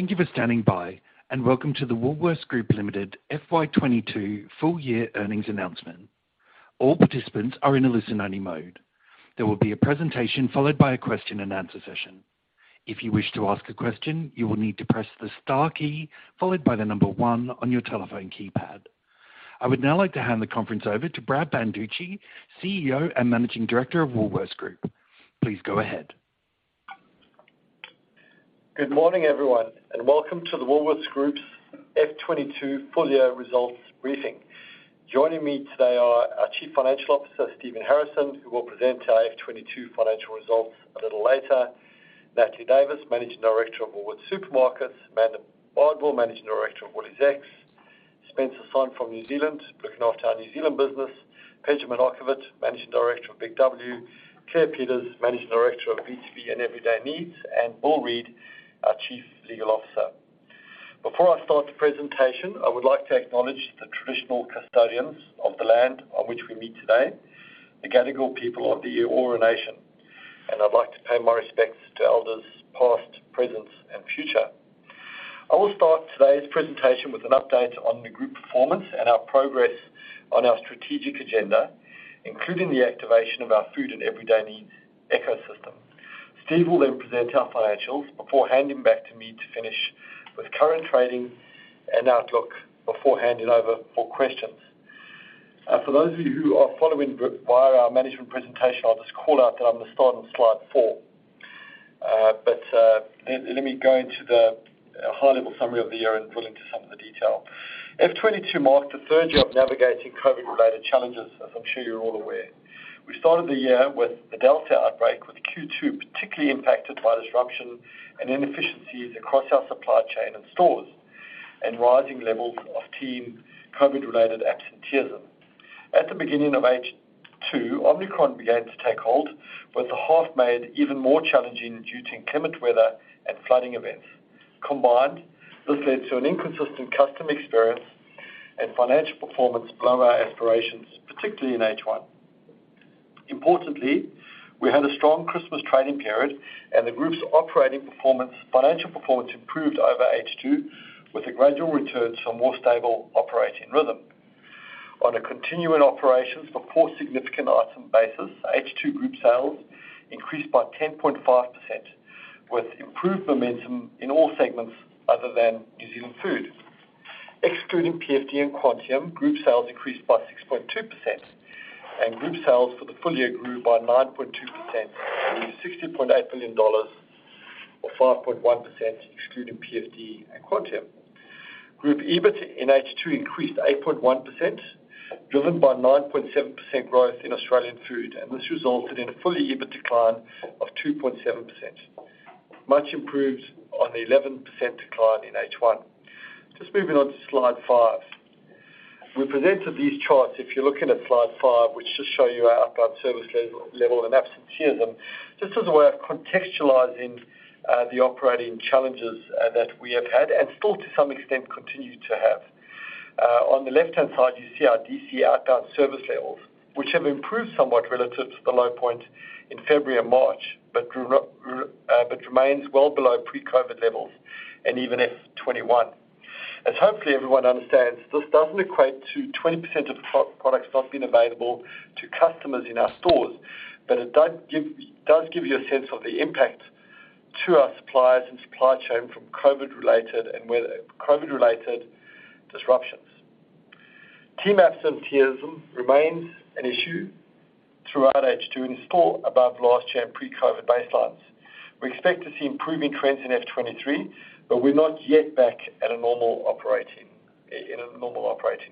Thank you for standing by, and welcome to the Woolworths Group Limited FY 2022 full-year earnings announcement. All participants are in a listen-only mode. There will be a presentation followed by a question-and-answer session. If you wish to ask a question, you will need to press the star key followed by the number one on your telephone keypad. I would now like to hand the conference over to Brad Banducci, CEO and Managing Director of Woolworths Group. Please go ahead. Good morning, everyone, and welcome to the Woolworths Group's FY 2022 full-year results briefing. Joining me today are our Chief Financial Officer, Stephen Harrison, who will present our FY 2022 financial results a little later. Natalie Davis, Managing Director of Woolworths Supermarkets. Amanda Bardwell, Managing Director of WooliesX. Spencer Sonn from New Zealand, looking after our New Zealand business. Pejman Okhovat, Managing Director of BIG W. Claire Peters, Managing Director of B2B and Everyday Needs, and Bill Reid, our Chief Legal Officer. Before I start the presentation, I would like to acknowledge the traditional custodians of the land on which we meet today, the Gadigal people of the Eora Nation, and I'd like to pay my respects to elders, past, present, and future. I will start today's presentation with an update on the group performance and our progress on our strategic agenda, including the activation of our food and everyday needs ecosystem. Stephen will then present our financials before handing back to me to finish with current trading and outlook before handing over for questions. For those of you who are following via our management presentation, I'll just call out that I'm gonna start on slide four. Let me go into the high-level summary of the year and drill into some of the detail. FY 2022 marked the third year of navigating COVID-related challenges, as I'm sure you're all aware. We started the year with the Delta outbreak, with Q2 particularly impacted by disruption and inefficiencies across our supply chain and stores and rising levels of team COVID-related absenteeism. At the beginning of H2, Omicron began to take hold with the half made even more challenging due to inclement weather and flooding events. Combined, this led to an inconsistent customer experience and financial performance below our aspirations, particularly in H1. Importantly, we had a strong Christmas trading period and the group's operating performance, financial performance improved over H2 with a gradual return to a more stable operating rhythm. On a continuing operations before significant items basis, H2 group sales increased by 10.5% with improved momentum in all segments other than New Zealand Food. Excluding PFD and Quantium, group sales increased by 6.2%, and group sales for the full year grew by 9.2% to 60.8 billion dollars or 5.1% excluding PFD and Quantium. Group EBIT in H2 increased 8.1%, driven by 9.7% growth in Australian Food. This resulted in a full-year EBIT decline of 2.7%, much improved on the 11% decline in H1. Just moving on to slide five. We presented these charts, if you're looking at slide five, which just show you our outbound service level and absenteeism, just as a way of contextualizing the operating challenges that we have had and still, to some extent, continue to have. On the left-hand side, you see our DC outbound service levels, which have improved somewhat relative to the low point in February and March, but remains well below pre-COVID levels and even FY 2021. As hopefully everyone understands, this doesn't equate to 20% of perishable products not being available to customers in our stores, but it does give you a sense of the impact to our suppliers and supply chain from COVID-related and weather-related disruptions. Team absenteeism remains an issue throughout H2 and is still above last year and pre-COVID baselines. We expect to see improving trends in FY 2023, but we're not yet back at a normal operating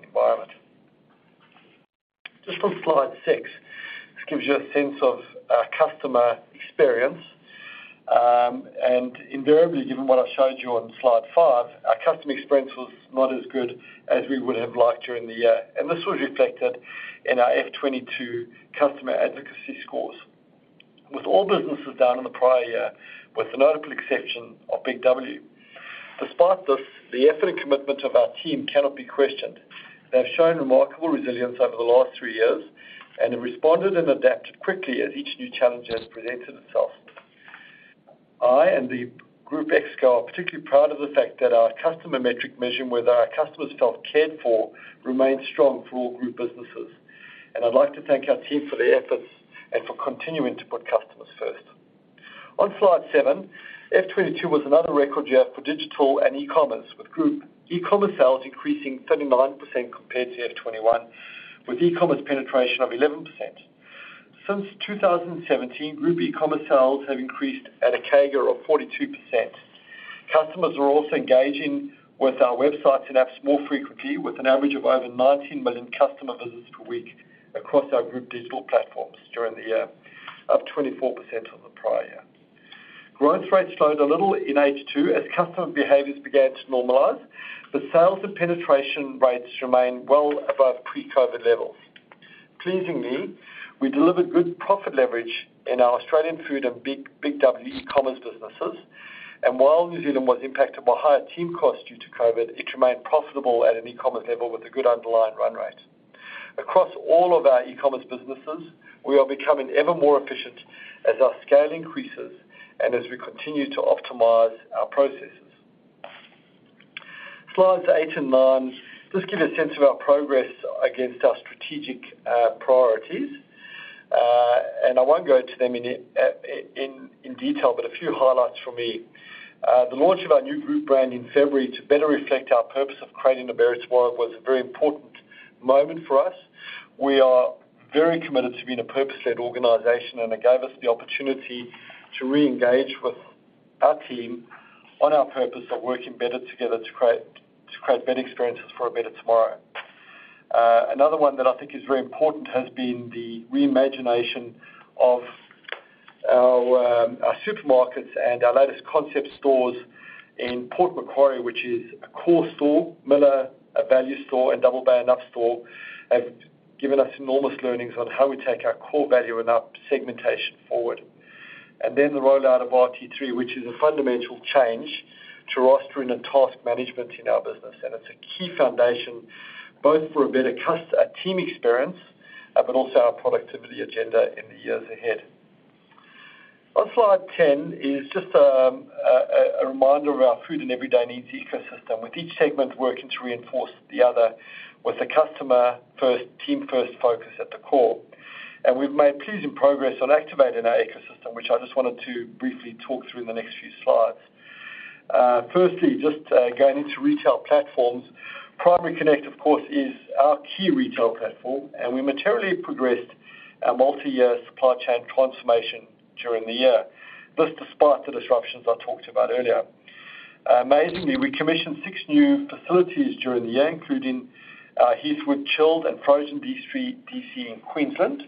environment. Just on slide six, this gives you a sense of our customer experience. Invariably given what I showed you on slide five, our customer experience was not as good as we would have liked during the year. This was reflected in our FY 2022 customer advocacy scores. With all businesses down in the prior year with the notable exception of BIG W. Despite this, the effort and commitment of our team cannot be questioned. They've shown remarkable resilience over the last three years and have responded and adapted quickly as each new challenge has presented itself. I and the Group ExCo are particularly proud of the fact that our customer metric measuring whether our customers felt cared for remained strong for all group businesses. I'd like to thank our team for their efforts and for continuing to put customers first. On slide seven, FY 2022 was another record year for digital and e-commerce, with group e-commerce sales increasing 39% compared to FY 2021, with e-commerce penetration of 11%. Since 2017, group e-commerce sales have increased at a CAGR of 42%. Customers are also engaging with our websites and apps more frequently with an average of over 19 million customer visits per week across our group digital platforms during the year, up 24% on the prior year. Growth rates slowed a little in H2 as customer behaviors began to normalize, but sales and penetration rates remain well above pre-COVID levels. Pleasingly, we delivered good profit leverage in our Australian Food and BIG W e-commerce businesses. While New Zealand was impacted by higher team costs due to COVID, it remained profitable at an e-commerce level with a good underlying run rate. Across all of our e-commerce businesses, we are becoming ever more efficient as our scale increases and as we continue to optimize our processes. Slides eight and nine just give you a sense of our progress against our strategic priorities. I won't go into them in detail, but a few highlights for me. The launch of our new group brand in February to better reflect our purpose of creating a better tomorrow was a very important moment for us. We are very committed to being a purpose-led organization, and it gave us the opportunity to reengage with our team on our purpose of working better together to create better experiences for a better tomorrow. Another one that I think is very important has been the re-imagination of our supermarkets and our latest concept stores in Port Macquarie, which is a core store, Miller Value store, and Double Bay Up store, have given us enormous learnings on how we take our core value and up segmentation forward. The rollout of RT3, which is a fundamental change to rostering and task management in our business. It's a key foundation both for a better team experience, but also our productivity agenda in the years ahead. On slide 10 is just a reminder of our food and everyday needs ecosystem, with each segment working to reinforce the other with the customer first, team first focus at the core. We've made pleasing progress on activating our ecosystem, which I just wanted to briefly talk through in the next few slides. Firstly, just going into retail platforms. Primary Connect, of course, is our key retail platform, and we materially progressed our multi-year supply chain transformation during the year. This despite the disruptions I talked about earlier. Amazingly, we commissioned six new facilities during the year, including Heathwood Chilled and Frozen DC in Queensland,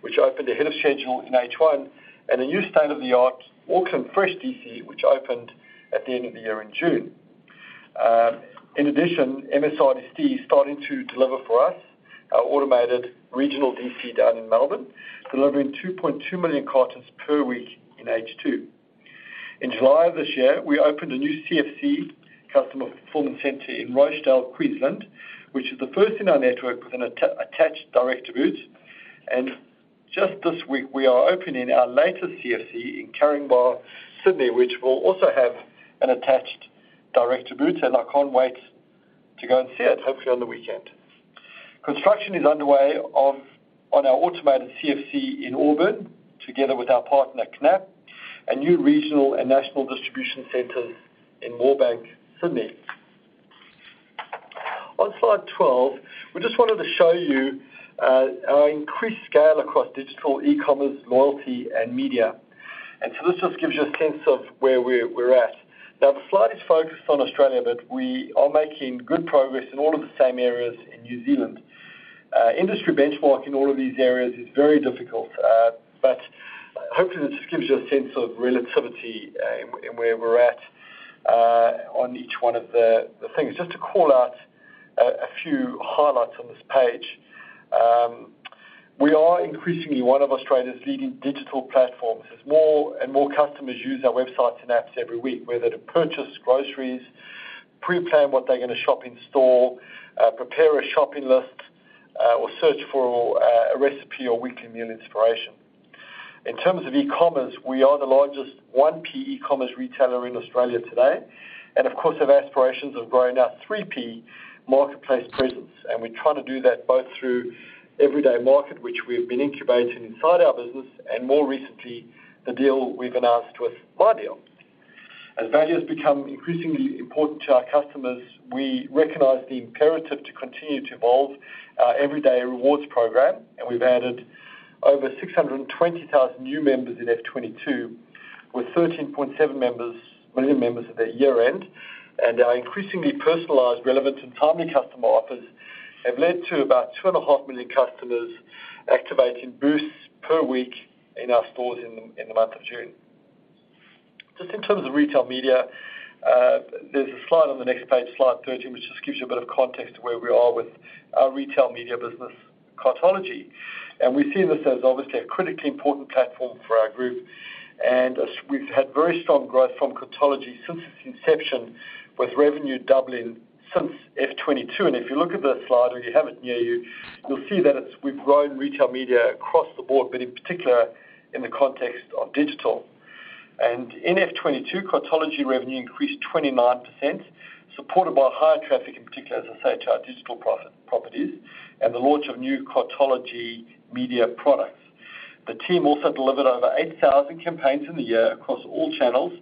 which opened ahead of schedule in H1, and a new state-of-the-art Auckland Fresh DC, which opened at the end of the year in June. In addition, MSRDC is starting to deliver for us our automated regional DC down in Melbourne, delivering 2.2 million cartons per week in H2. In July of this year, we opened a new CFC, Customer Fulfillment Centre, in Rochedale, Queensland, which is the first in our network with an attached direct-to-boot. Just this week, we are opening our latest CFC in Caringbah, Sydney, which will also have an attached direct-to-boot, and I can't wait to go and see it, hopefully on the weekend. Construction is underway on our automated CFC in Auburn together with our partner, KNAPP, a new regional and national distribution centers in Moorebank, Sydney. On slide 12, we just wanted to show you our increased scale across digital e-commerce, loyalty, and media. This just gives you a sense of where we're at. Now, the slide is focused on Australia, but we are making good progress in all of the same areas in New Zealand. Industry benchmarking all of these areas is very difficult, but hopefully this gives you a sense of relativity in where we're at on each one of the things. Just to call out a few highlights on this page. We are increasingly one of Australia's leading digital platforms as more and more customers use our websites and apps every week, whether to purchase groceries, pre-plan what they're gonna shop in store, prepare a shopping list, or search for a recipe or weekly meal inspiration. In terms of e-commerce, we are the largest 1P e-commerce retailer in Australia today. Of course, have aspirations of growing our 3P marketplace presence, and we're trying to do that both through Everyday Market, which we have been incubating inside our business, and more recently, the deal we've announced with MyDeal. As value has become increasingly important to our customers, we recognize the imperative to continue to evolve our Everyday Rewards program, and we've added over 620,000 new members in FY 2022, with 13.7 million members at the year-end. Our increasingly personalized, relevant, and timely customer offers have led to about 2.5 million customers activating boosts per week in our stores in the month of June. Just in terms of retail media, there's a slide on the next page, slide 13, which just gives you a bit of context where we are with our retail media business, Cartology. We see this as obviously a critically important platform for our group. We've had very strong growth from Cartology since its inception, with revenue doubling since FY 2022. If you look at the slide, or you have it near you'll see that we've grown retail media across the board, but in particular, in the context of digital. In FY 2022, Cartology revenue increased 29%, supported by higher traffic, in particular, as I say, to our digital properties and the launch of new Cartology media products. The team also delivered over 8,000 campaigns in the year across all channels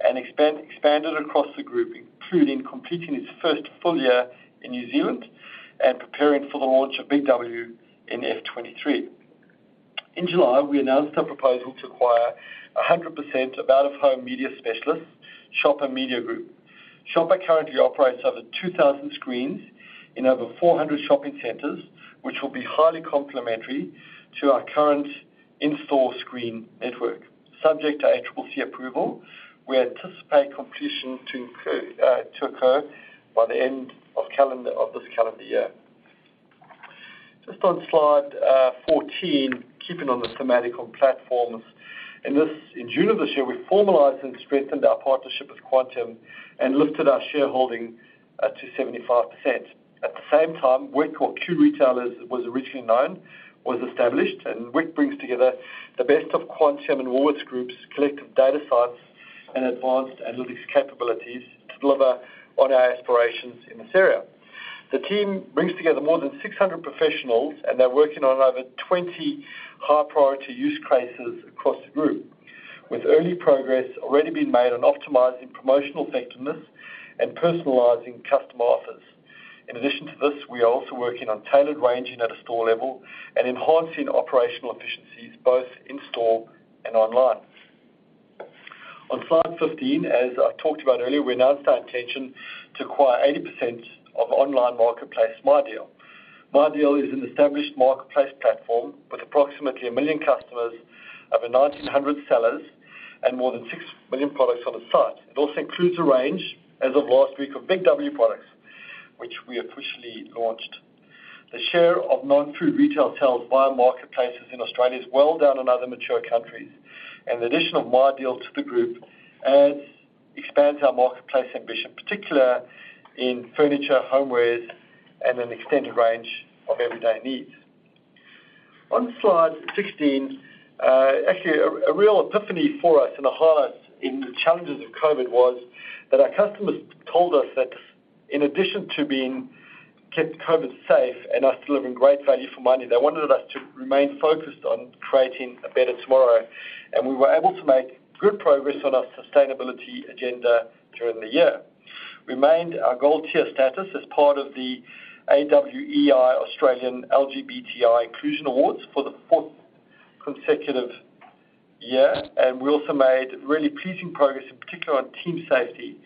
and expanded across the group, including completing its first full year in New Zealand and preparing for the launch of BIG W in FY 2023. In July, we announced our proposal to acquire 100% of out-of-home media specialist, Shopper Media Group. Shopper currently operates over 2,000 screens in over 400 shopping centers, which will be highly complementary to our current in-store screen network. Subject to ACCC approval, we anticipate completion to occur by the end of this calendar year. Just on slide 14, keeping on the theme on platforms. In this, in June of this year, we formalized and strengthened our partnership with Quantium and lifted our shareholding to 75%. At the same time, WIQ, or Q-Retail as it was originally known, was established, and WIQ brings together the best of Quantium and Woolworths Group's collective data science and advanced analytics capabilities to deliver on our aspirations in this area. The team brings together more than 600 professionals, and they're working on over 20 high-priority use cases across the group, with early progress already being made on optimizing promotional effectiveness and personalizing customer offers. In addition to this, we are also working on tailored ranging at a store level and enhancing operational efficiencies both in-store and online. On slide 15, as I've talked about earlier, we announced our intention to acquire 80% of online marketplace, MyDeal. MyDeal is an established marketplace platform with approximately 1 million customers, over 1,900 sellers, and more than 6 million products on the site. It also includes a range, as of last week, of BIG W products, which we officially launched. The share of non-food retail sales via marketplaces in Australia is well down on other mature countries, and the addition of MyDeal to the group expands our marketplace ambition, particularly in furniture, homewares, and an extended range of everyday needs. On slide 16, actually a real epiphany for us and a highlight in the challenges of COVID was that our customers told us that in addition to being kept COVID safe and us delivering great value for money, they wanted us to remain focused on creating a better tomorrow, and we were able to make good progress on our sustainability agenda during the year. Remained our gold tier status as part of the AWEI Australian LGBTI Inclusion Awards for the fourth consecutive year, and we also made really pleasing progress, in particular on team safety,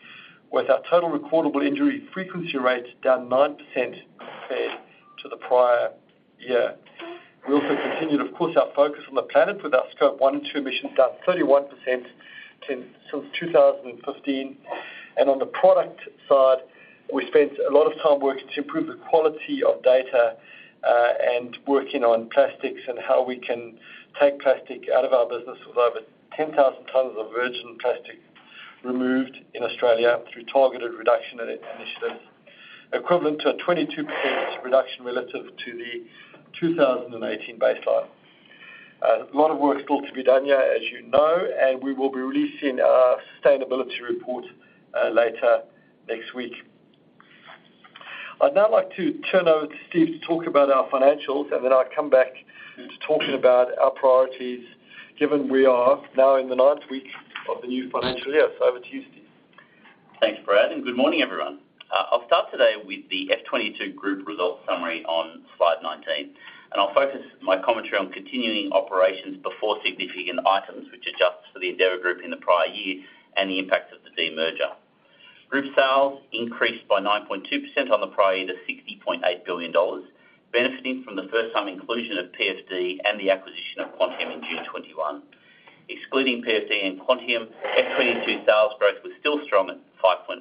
with our total recordable injury frequency rates down 9% compared to the prior year. We also continued, of course, our focus on the planet with our scope one and two emissions down 31% since 2015. On the product side, we spent a lot of time working to improve the quality of data, and working on plastics and how we can take plastic out of our business with over 10,000 tons of virgin plastic removed in Australia through targeted reduction initiatives, equivalent to a 22% reduction relative to the 2018 baseline. A lot of work still to be done here, as you know, and we will be releasing our sustainability report later next week. I'd now like to turn over to Stephen to talk about our financials, and then I'll come back to talking about our priorities, given we are now in the ninth week of the new financial year. Over to you, Stephen. Thanks, Brad, and good morning, everyone. I'll start today with the FY 2022 group results summary on slide 19, and I'll focus my commentary on continuing operations before significant items which adjusts for the Endeavour Group in the prior year and the impact of the demerger. Group sales increased by 9.2% on the prior year to 60.8 billion dollars, benefiting from the first-time inclusion of PFD and the acquisition of Quantium in June 2021. Excluding PFD and Quantium, FY 2022 sales growth was still strong at 5.1%.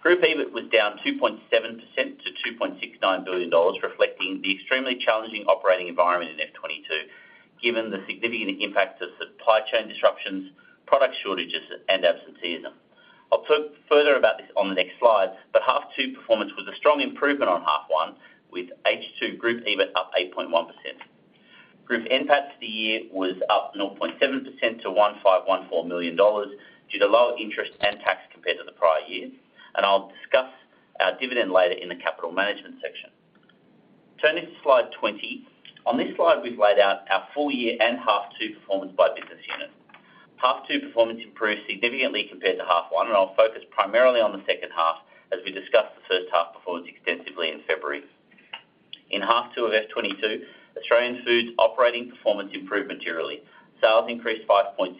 Group EBIT was down 2.7% to 2.69 billion dollars, reflecting the extremely challenging operating environment in FY 2022, given the significant impact of supply chain disruptions, product shortages, and absenteeism. I'll talk further about this on the next slide, but H2 performance was a strong improvement on H1, with H2 Group EBIT up 8.1%. Group NPAT for the year was up 0.7% to 1,514 million dollars due to lower interest and tax compared to the prior year, and I'll discuss our dividend later in the capital management section. Turning to slide 20. On this slide, we've laid out our full year and H2 performance by business unit. H2 performance improved significantly compared to H1, and I'll focus primarily on the second half as we discussed the first half performance extensively in February. In H2 of FY 2022, Australian Food operating performance improved materially. Sales increased 5.6%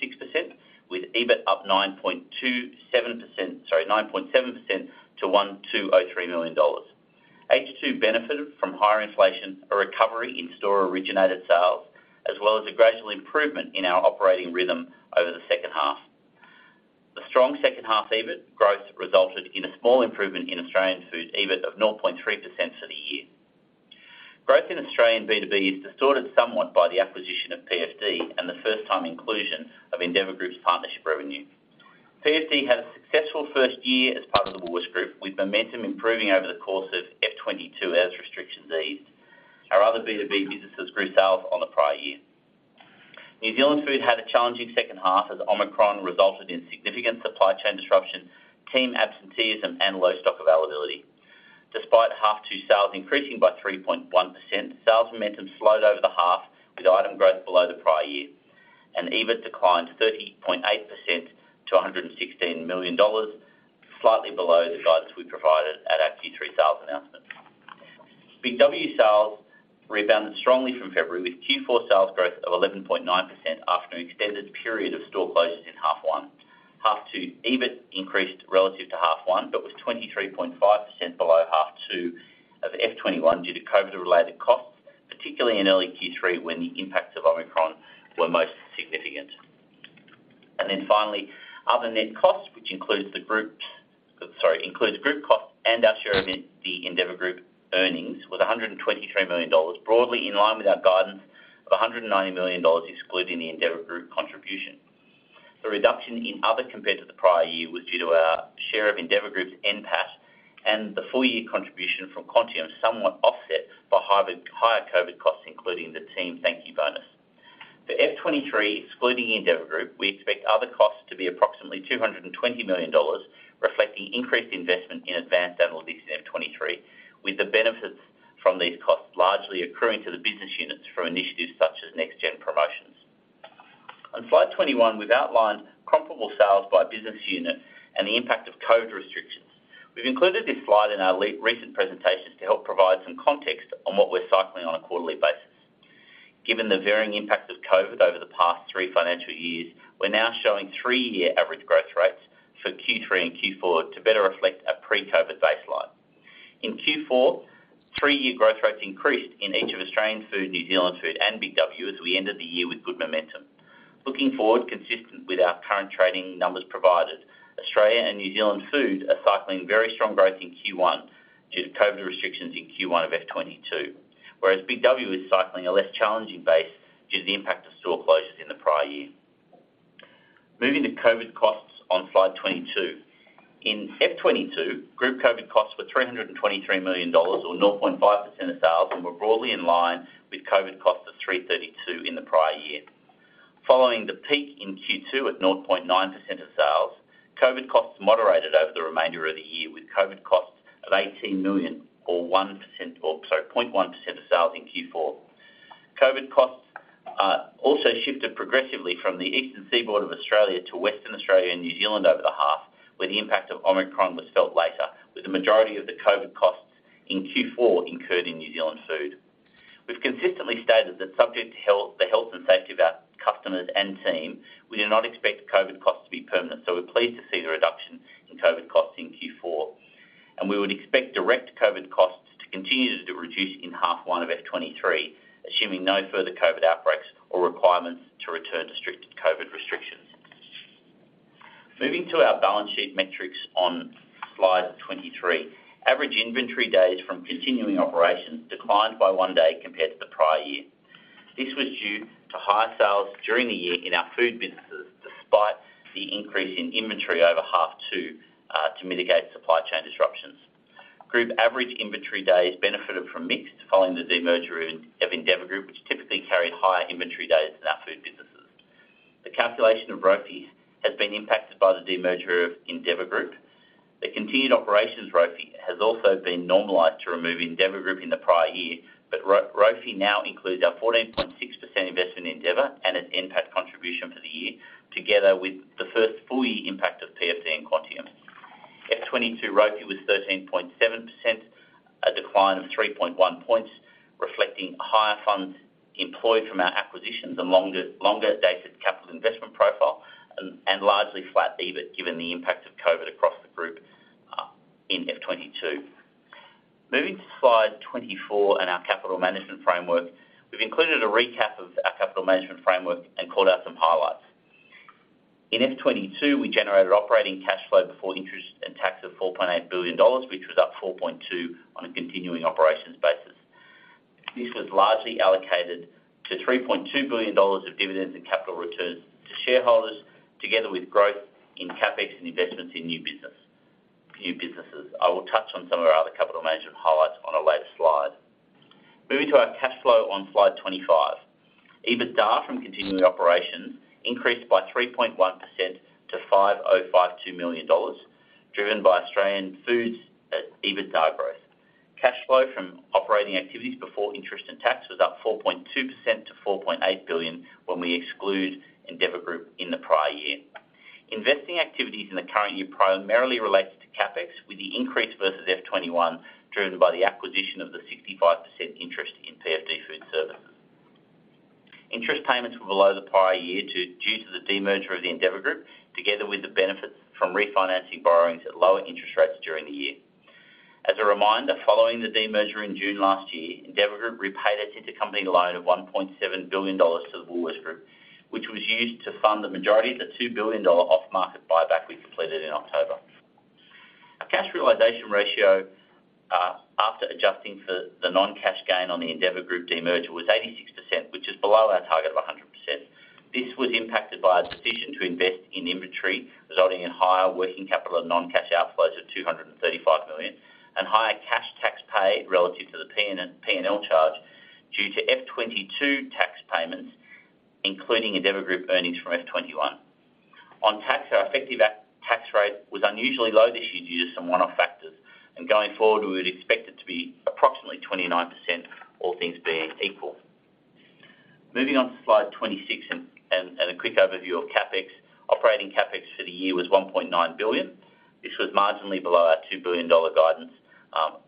with EBIT up 9.27%. Sorry, 9.7% to 103 million dollars. H2 benefited from higher inflation, a recovery in store-originated sales, as well as a gradual improvement in our operating rhythm over the second half. The strong second-half EBIT growth resulted in a small improvement in Australian Food EBIT of 0.3% for the year. Growth in Australian B2B is distorted somewhat by the acquisition of PFD and the first-time inclusion of Endeavour Group's partnership revenue. PFD had a successful first year as part of the Woolworths Group, with momentum improving over the course of FY 2022 as restrictions eased. Our other B2B businesses grew sales on the prior year. New Zealand Food had a challenging second half as Omicron resulted in significant supply chain disruption, team absenteeism, and low stock availability. Despite half two sales increasing by 3.1%, sales momentum slowed over the half with item growth below the prior year, and EBIT declined 30.8% to 116 million dollars, slightly below the guidance we provided at our Q3 sales announcement. BIG W sales rebounded strongly from February with Q4 sales growth of 11.9% after an extended period of store closures in half one. Half two EBIT increased relative to half one, but was 23.5% below half two of FY 2021 due to COVID-related costs, particularly in early Q3 when the impacts of Omicron were most significant. Finally, other net costs, which includes group costs and our share of the Endeavour Group earnings with 123 million dollars, broadly in line with our guidance of 190 million dollars excluding the Endeavour Group contribution. The reduction in other compared to the prior year was due to our share of Endeavour Group's NPAT, and the full year contribution from Quantium somewhat offset by higher COVID costs, including the team thank you bonus. For FY 2023, excluding the Endeavour Group, we expect other costs to be approximately 220 million dollars, reflecting increased investment in advanced analytics in FY 2023, with the benefits from these costs largely accruing to the business units for initiatives such as next-gen promotions. On slide 21, we've outlined comparable sales by business unit and the impact of COVID restrictions. We've included this slide in our recent presentations to help provide some context on what we're cycling on a quarterly basis. Given the varying impact of COVID over the past three financial years, we're now showing three-year average growth rates for Q3 and Q4 to better reflect a pre-COVID baseline. In Q4, three-year growth rates increased in each of Australian Food, New Zealand Food, and BIG W as we ended the year with good momentum. Looking forward, consistent with our current trading numbers provided, Australia and New Zealand Food are cycling very strong growth in Q1 due to COVID restrictions in Q1 of FY 2022. Whereas BIG W is cycling a less challenging base due to the impact of store closures in the prior year. Moving to COVID costs on slide 22. In FY 2022, group COVID costs were AUD 323 million or 0.5% of sales, and were broadly in line with COVID costs of 332 million in the prior year. Following the peak in Q2 at 0.9% of sales, COVID costs moderated over the remainder of the year, with COVID costs of 18 million or 0.1% of sales in Q4. COVID costs also shifted progressively from the eastern seaboard of Australia to Western Australia and New Zealand over the half, where the impact of Omicron was felt later, with the majority of the COVID costs in Q4 incurred in New Zealand Food. We've consistently stated that subject to health, the health and safety of our customers and team, we do not expect COVID costs to be permanent, so we're pleased to see the reduction in COVID costs in Q4. We would expect direct COVID costs to continue to reduce in H1 of FY 2023, assuming no further COVID outbreaks or requirements to return to strict COVID restrictions. Moving to our balance sheet metrics on slide 23. Average inventory days from continuing operations declined by one day compared to the prior year. This was due to higher sales during the year in our food businesses, despite the increase in inventory over half two to mitigate supply chain disruptions. Group average inventory days benefited from mix following the demerger of Endeavour Group, which typically carried higher inventory days than our food businesses. The calculation of ROFEs has been impacted by the demerger of Endeavour Group. The continued operations ROFE has also been normalized to remove Endeavour Group in the prior year, but ROFE now includes our 14.6% investment in Endeavour and its NPAT contribution for the year, together with the first full year impact of PFD and Quantium. FY 2022 ROFE was 13.7%, a decline of 3.1 points, reflecting higher funds employed from our acquisitions and longer dated capital investment profile and largely flat EBIT given the impact of COVID across the group, in FY 2022. Moving to slide 24 and our capital management framework. We've included a recap of our capital management framework and called out some highlights. In FY 2022, we generated operating cash flow before interest and tax of 4.8 billion dollars, which was up 4.2% on a continuing operations basis. This was largely allocated to 3.2 billion dollars of dividends and capital returns to shareholders, together with growth in CapEx and investments in new businesses. I will touch on some of our other capital management highlights on a later slide. Moving to our cash flow on slide 25. EBITDA from continuing operations increased by 3.1% to 505.2 million dollars, driven by Australian Food's EBITDA growth. Cash flow from operating activities before interest and tax was up 4.2% to 4.8 billion when we exclude Endeavour Group in the prior year. Investing activities in the current year primarily related to CapEx, with the increase versus FY 2021 driven by the acquisition of the 65% interest in PFD Food Services. Interest payments were below the prior year due to the demerger of the Endeavour Group, together with the benefits from refinancing borrowings at lower interest rates during the year. As a reminder, following the demerger in June last year, Endeavour Group repaid its intercompany loan of 1.7 billion dollars to the Woolworths Group, which was used to fund the majority of the 2 billion dollar off-market buyback we completed in October. Our cash realization ratio, after adjusting for the non-cash gain on the Endeavour Group demerger was 86%, which is below our target of 100%. This was impacted by a decision to invest in inventory, resulting in higher working capital and non-cash outflows of 235 million, and higher cash tax paid relative to the P&L charge due to FY 2022 tax payments, including Endeavour Group earnings from FY 2021. On tax, our effective tax rate was unusually low this year due to some one-off factors. Going forward, we would expect it to be approximately 29%, all things being equal. Moving on to slide 26 and a quick overview of CapEx. Operating CapEx for the year was 1.9 billion. This was marginally below our 2 billion dollar guidance,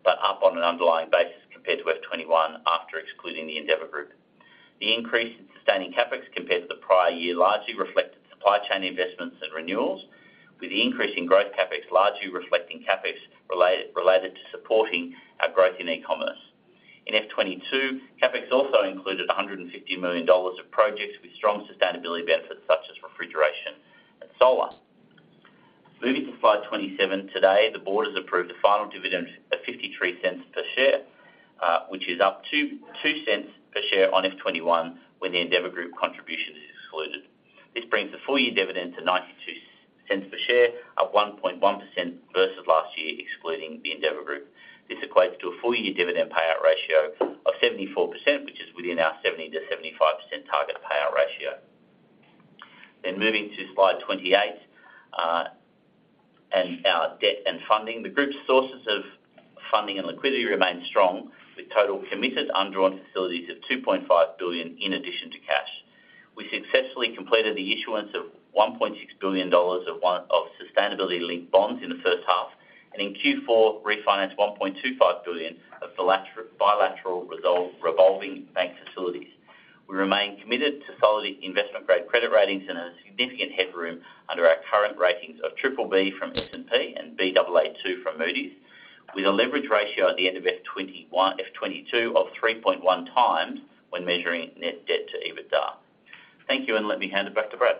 but up on an underlying basis compared to FY 2021 after excluding the Endeavour Group. The increase in sustaining CapEx compared to the prior year largely reflected supply chain investments and renewals, with the increase in growth CapEx largely reflecting CapEx related to supporting our growth in e-commerce. In FY 2022, CapEx also included 150 million dollars of projects with strong sustainability benefits such as refrigeration and solar. Moving to slide 27. Today, the board has approved the final dividend of 0.53 per share, which is up 0.02 Per share on FY 2021 when the Endeavour Group contribution is excluded. This brings the full year dividend to 0.92 per share at 1.1% versus last year excluding the Endeavour Group. This equates to a full year dividend payout ratio of 74%, which is within our 70%-75% target payout ratio. Moving to slide 28 and our debt and funding. The group's sources of funding and liquidity remain strong with total committed undrawn facilities of 2.5 billion in addition to cash. We successfully completed the issuance of 1.6 billion dollars of sustainability-linked bonds in the first half, and in Q4, refinanced 1.25 billion of bilateral revolving bank facilities. We remain committed to solid investment grade credit ratings and a significant headroom under our current ratings of BBB from S&P and Baa2 from Moody's, with a leverage ratio at the end of FY 2021-FY 2022 of 3.1x when measuring net debt to EBITDA. Thank you, and let me hand it back to Brad.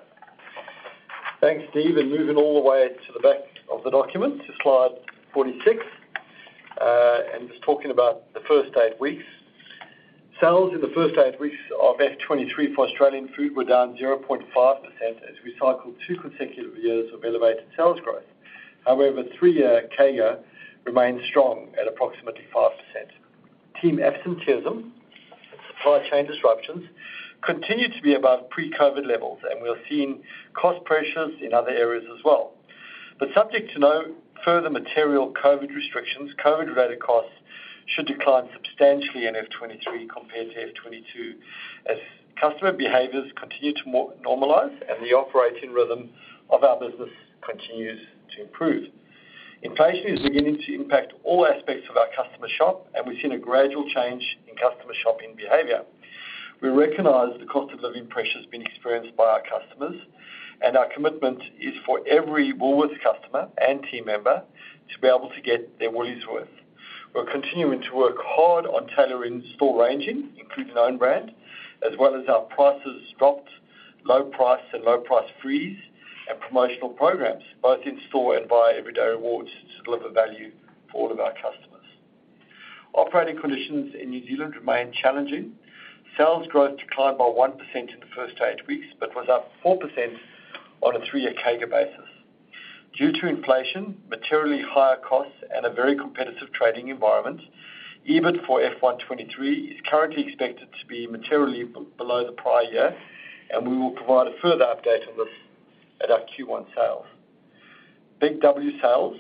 Thanks, Steve. Moving all the way to the back of the document to slide 46, and just talking about the first eight weeks. Sales in the first eight weeks of FY 2023 for Australian Food were down 0.5% as we cycled two consecutive years of elevated sales growth. However, three-year CAGR remains strong at approximately 5%. Team absenteeism and supply chain disruptions continue to be above pre-COVID levels, and we're seeing cost pressures in other areas as well. Subject to no further material COVID restrictions, COVID-related costs should decline substantially in FY 2023 compared to FY 2022 as customer behaviors continue to more normalize and the operating rhythm of our business continues to improve. Inflation is beginning to impact all aspects of our customer shop, and we've seen a gradual change in customer shopping behavior. We recognize the cost of living pressures being experienced by our customers, and our commitment is for every Woolworths customer and team member to be able to get their Woolies worth. We're continuing to work hard on tailoring store ranging, including own brand, as well as our prices dropped, low price and low price freeze, and promotional programs, both in store and via Everyday Rewards to deliver value for all of our customers. Operating conditions in New Zealand remain challenging. Sales growth declined by 1% in the first eight weeks, but was up 4% on a three-year CAGR basis. Due to inflation, materially higher costs, and a very competitive trading environment, EBIT for FY 2023 is currently expected to be materially below the prior year, and we will provide a further update on this at our Q1 sales. BIG W sales,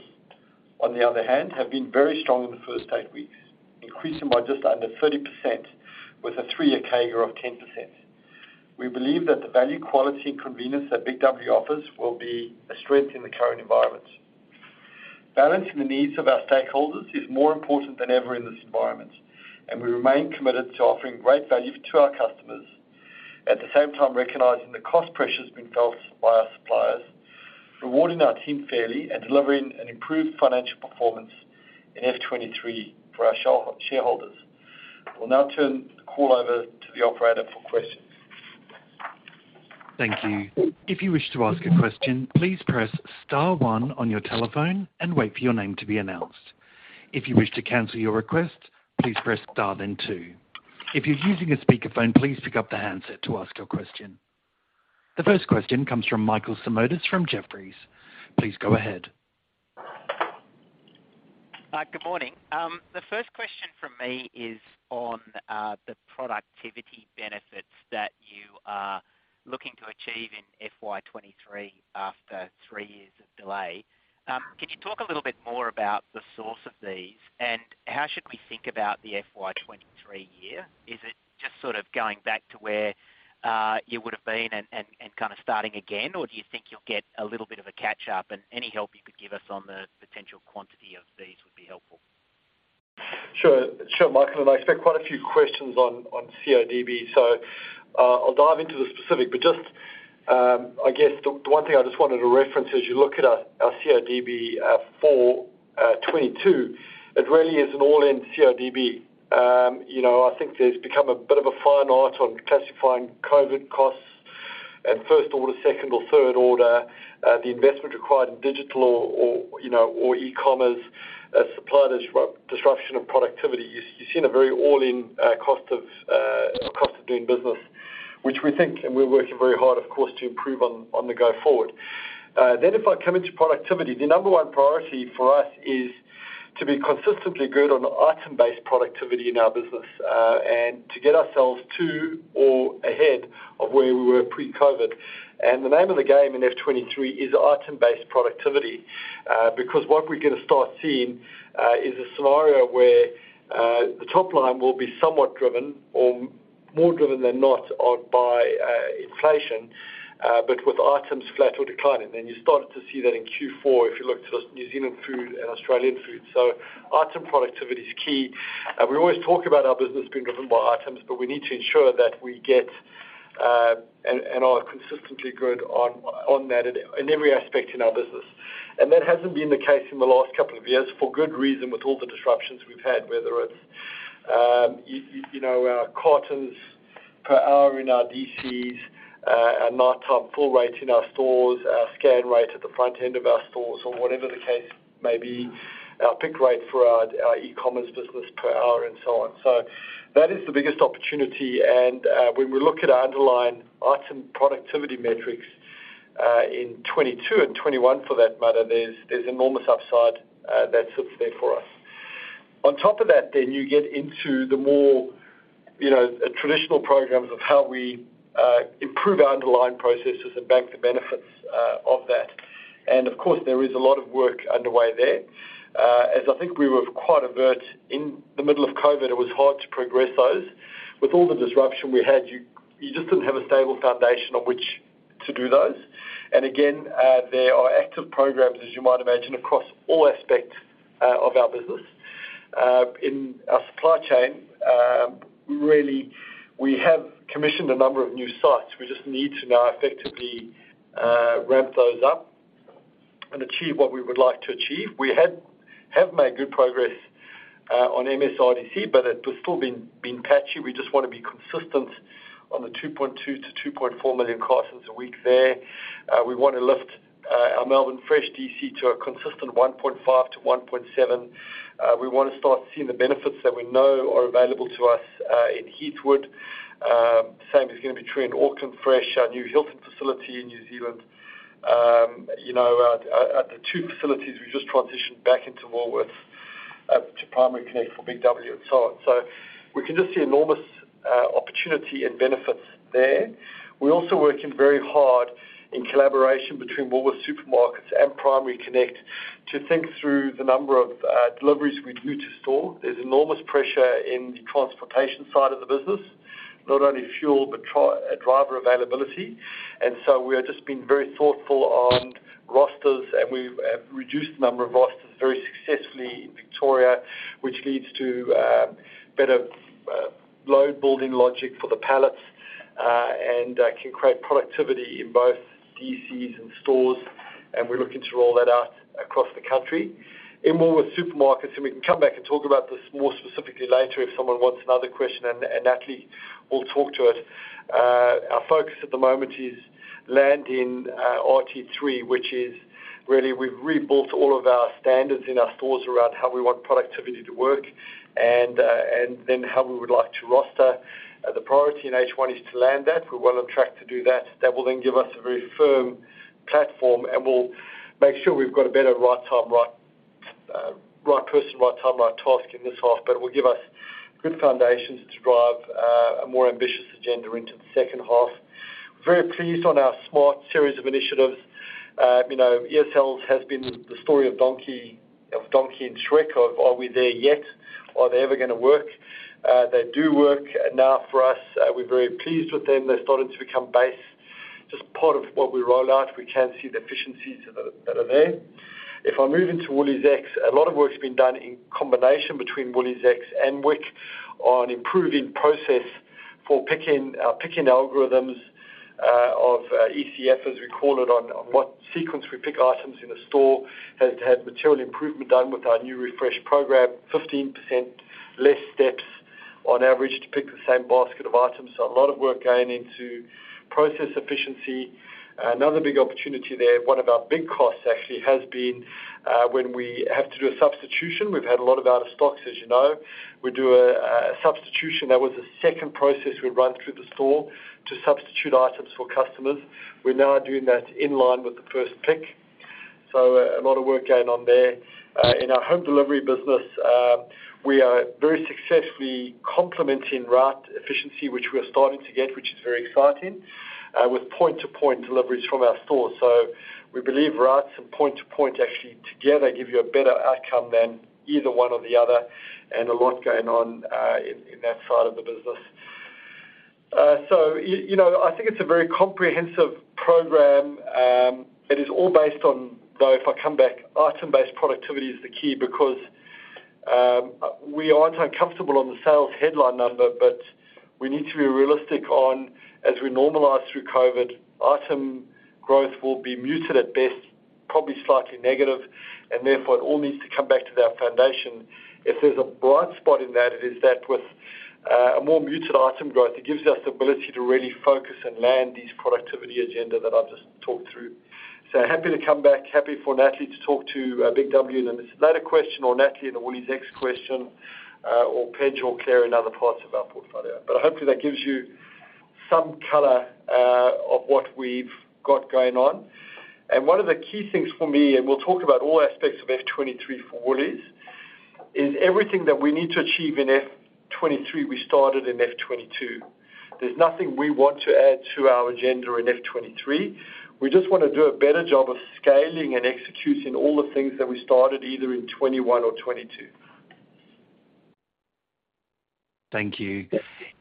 on the other hand, have been very strong in the first eight weeks, increasing by just under 30% with a three-year CAGR of 10%. We believe that the value, quality, and convenience that BIG W offers will be a strength in the current environment. Balancing the needs of our stakeholders is more important than ever in this environment, and we remain committed to offering great value to our customers, at the same time recognizing the cost pressures being felt by our suppliers, rewarding our team fairly, and delivering an improved financial performance in FY 2023 for our shareholders. We'll now turn the call over to the operator for questions. Thank you. If you wish to ask a question, please press star one on your telephone and wait for your name to be announced. If you wish to cancel your request, please press star then two. If you're using a speakerphone, please pick up the handset to ask your question. The first question comes from Michael Simotas from Jefferies. Please go ahead. Good morning. The first question from me is on the productivity benefits that you are looking to achieve in FY 2023 after three years of delay. Could you talk a little bit more about the source of these, and how should we think about the FY 2023 year? Is it just sort of going back to where you would've been and kind of starting again, or do you think you'll get a little bit of a catch-up? Any help you could give us on the potential quantity of these would be helpful. Sure, Michael, I expect quite a few questions on CODB. I'll dive into the specific, but just, I guess the one thing I just wanted to reference as you look at our CODB for 2022, it really is an all-in CODB. You know, I think there's become a bit of a fine art on classifying COVID costs and first order, second or third order, the investment required in digital or e-commerce, supplier disruption of productivity. You've seen a very all-in cost of doing business, which we think and we're working very hard, of course, to improve on the go forward. If I come into productivity, the number one priority for us is to be consistently good on item-based productivity in our business, and to get ourselves to or ahead of where we were pre-COVID. The name of the game in FY 2023 is item-based productivity, because what we're gonna start seeing is a scenario where the top line will be somewhat driven or more driven than not by inflation, but with items flat or declining. You started to see that in Q4 if you looked at New Zealand Food and Australian Food. Item productivity is key. We always talk about our business being driven by items, but we need to ensure that we get and are consistently good on that in every aspect in our business. That hasn't been the case in the last couple of years for good reason, with all the disruptions we've had, whether it's, you know, cartons per hour in our DCs, our nighttime full rates in our stores, our scan rate at the front end of our stores or whatever the case may be, our pick rate for our e-commerce business per hour, and so on. That is the biggest opportunity. When we look at our underlying item productivity metrics in 2022 and 2021 for that matter, there's enormous upside that sits there for us. On top of that then you get into the more, you know, traditional programs of how we improve our underlying processes and bank the benefits of that. Of course, there is a lot of work underway there. As I think we were quite adverse in the middle of COVID, it was hard to progress those. With all the disruption we had, you just didn't have a stable foundation on which to do those. Again, there are active programs, as you might imagine, across all aspects of our business. In our supply chain, really we have commissioned a number of new sites. We just need to now effectively ramp those up and achieve what we would like to achieve. We have made good progress on MSRDC, but it has still been patchy. We just wanna be consistent on the 2.2-2.4 million cartons a week there. We wanna lift our Melbourne Fresh DC to a consistent 1.5-1.7. We want to start seeing the benefits that we know are available to us in Heathwood. Same is going to be true in Auckland Fresh, our new Hilton facility in New Zealand. You know, at the two facilities we just transitioned back into Woolworths to Primary Connect for BIG W and so on. We can just see enormous opportunity and benefits there. We're also working very hard in collaboration between Woolworths Supermarkets and Primary Connect to think through the number of deliveries we do to store. There's enormous pressure in the transportation side of the business, not only fuel, but driver availability. We are just being very thoughtful on rosters, and we've reduced the number of rosters very successfully in Victoria, which leads to better load building logic for the pallets, and can create productivity in both DCs and stores, and we're looking to roll that out across the country. In Woolworths Supermarkets, and we can come back and talk about this more specifically later if someone wants another question, and Natalie will talk to it. Our focus at the moment is landing RT3, which is really we've rebuilt all of our standards in our stores around how we want productivity to work and then how we would like to roster. The priority in H1 is to land that. We're well on track to do that. That will then give us a very firm platform, and we'll make sure we've got a better right team, right task and right time in this half. It will give us good foundations to drive a more ambitious agenda into the second half. Very pleased on our SMART series of initiatives. You know, ESLs has been the story of Donkey and Shrek of are we there yet? Are they ever gonna work? They do work now for us. We're very pleased with them. They're starting to become base, just part of what we roll out. We can see the efficiencies that are there. If I move into WooliesX, a lot of work's been done in combination between WooliesX and WIQ on improving process for picking algorithms of CFC, as we call it, on what sequence we pick items in a store. Has material improvement done with our new refresh program. 15% less steps on average to pick the same basket of items, so a lot of work going into process efficiency. Another big opportunity there, one of our big costs actually, has been when we have to do a substitution. We've had a lot of out of stocks, as you know. We do a substitution. That was a second process we run through the store to substitute items for customers. We're now doing that in line with the first pick, so a lot of work going on there. In our home delivery business, we are very successfully complementing route efficiency, which we are starting to get, which is very exciting, with point-to-point deliveries from our stores. We believe routes and point to point actually together give you a better outcome than either one or the other and a lot going on in that side of the business. You know, I think it's a very comprehensive program. It is all based on, though, if I come back, item-based productivity is the key because we aren't uncomfortable on the sales headline number, but we need to be realistic on as we normalize through COVID, item growth will be muted at best, probably slightly negative, and therefore it all needs to come back to that foundation. If there's a bright spot in that, it is that with a more muted item growth, it gives us the ability to really focus and land this productivity agenda that I've just talked through. Happy to come back, happy for Natalie to talk to BIG W in a later question or Natalie in the WooliesX question, or Page or Claire in other parts of our portfolio. Hopefully, that gives you some color on what we've got going on. One of the key things for me, and we'll talk about all aspects of FY 2023 for Woolies, is everything that we need to achieve in FY 2023 we started in FY 2022. There's nothing we want to add to our agenda in FY 2023. We just wanna do a better job of scaling and executing all the things that we started either in 2021 or 2022. Thank you.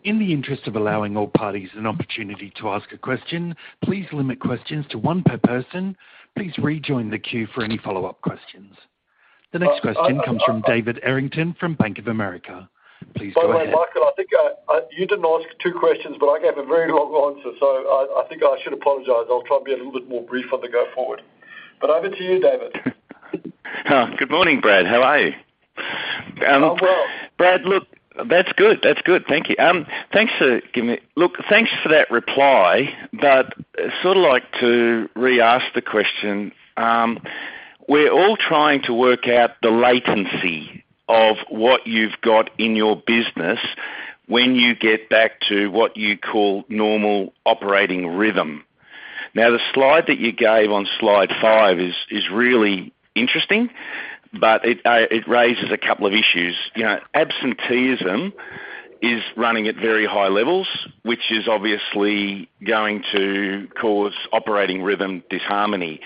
In the interest of allowing all parties an opportunity to ask a question, please limit questions to one per person. Please rejoin the queue for any follow-up questions. The next question comes from David Errington from Bank of America. Please go ahead. By the way, Michael, I think you didn't ask two questions, but I gave a very long answer, so I think I should apologize. I'll try and be a little bit more brief going forward. But over to you, David. Good morning, Brad. How are you? I'm well. Brad, look. That's good. That's good. Thank you. Thanks for giving me. Look, thanks for that reply, but I'd sort of like to re-ask the question. We're all trying to work out the latency of what you've got in your business when you get back to what you call normal operating rhythm. Now, the slide that you gave on slide five is really interesting, but it raises a couple of issues. You know, absenteeism is running at very high levels, which is obviously going to cause operating rhythm disharmony.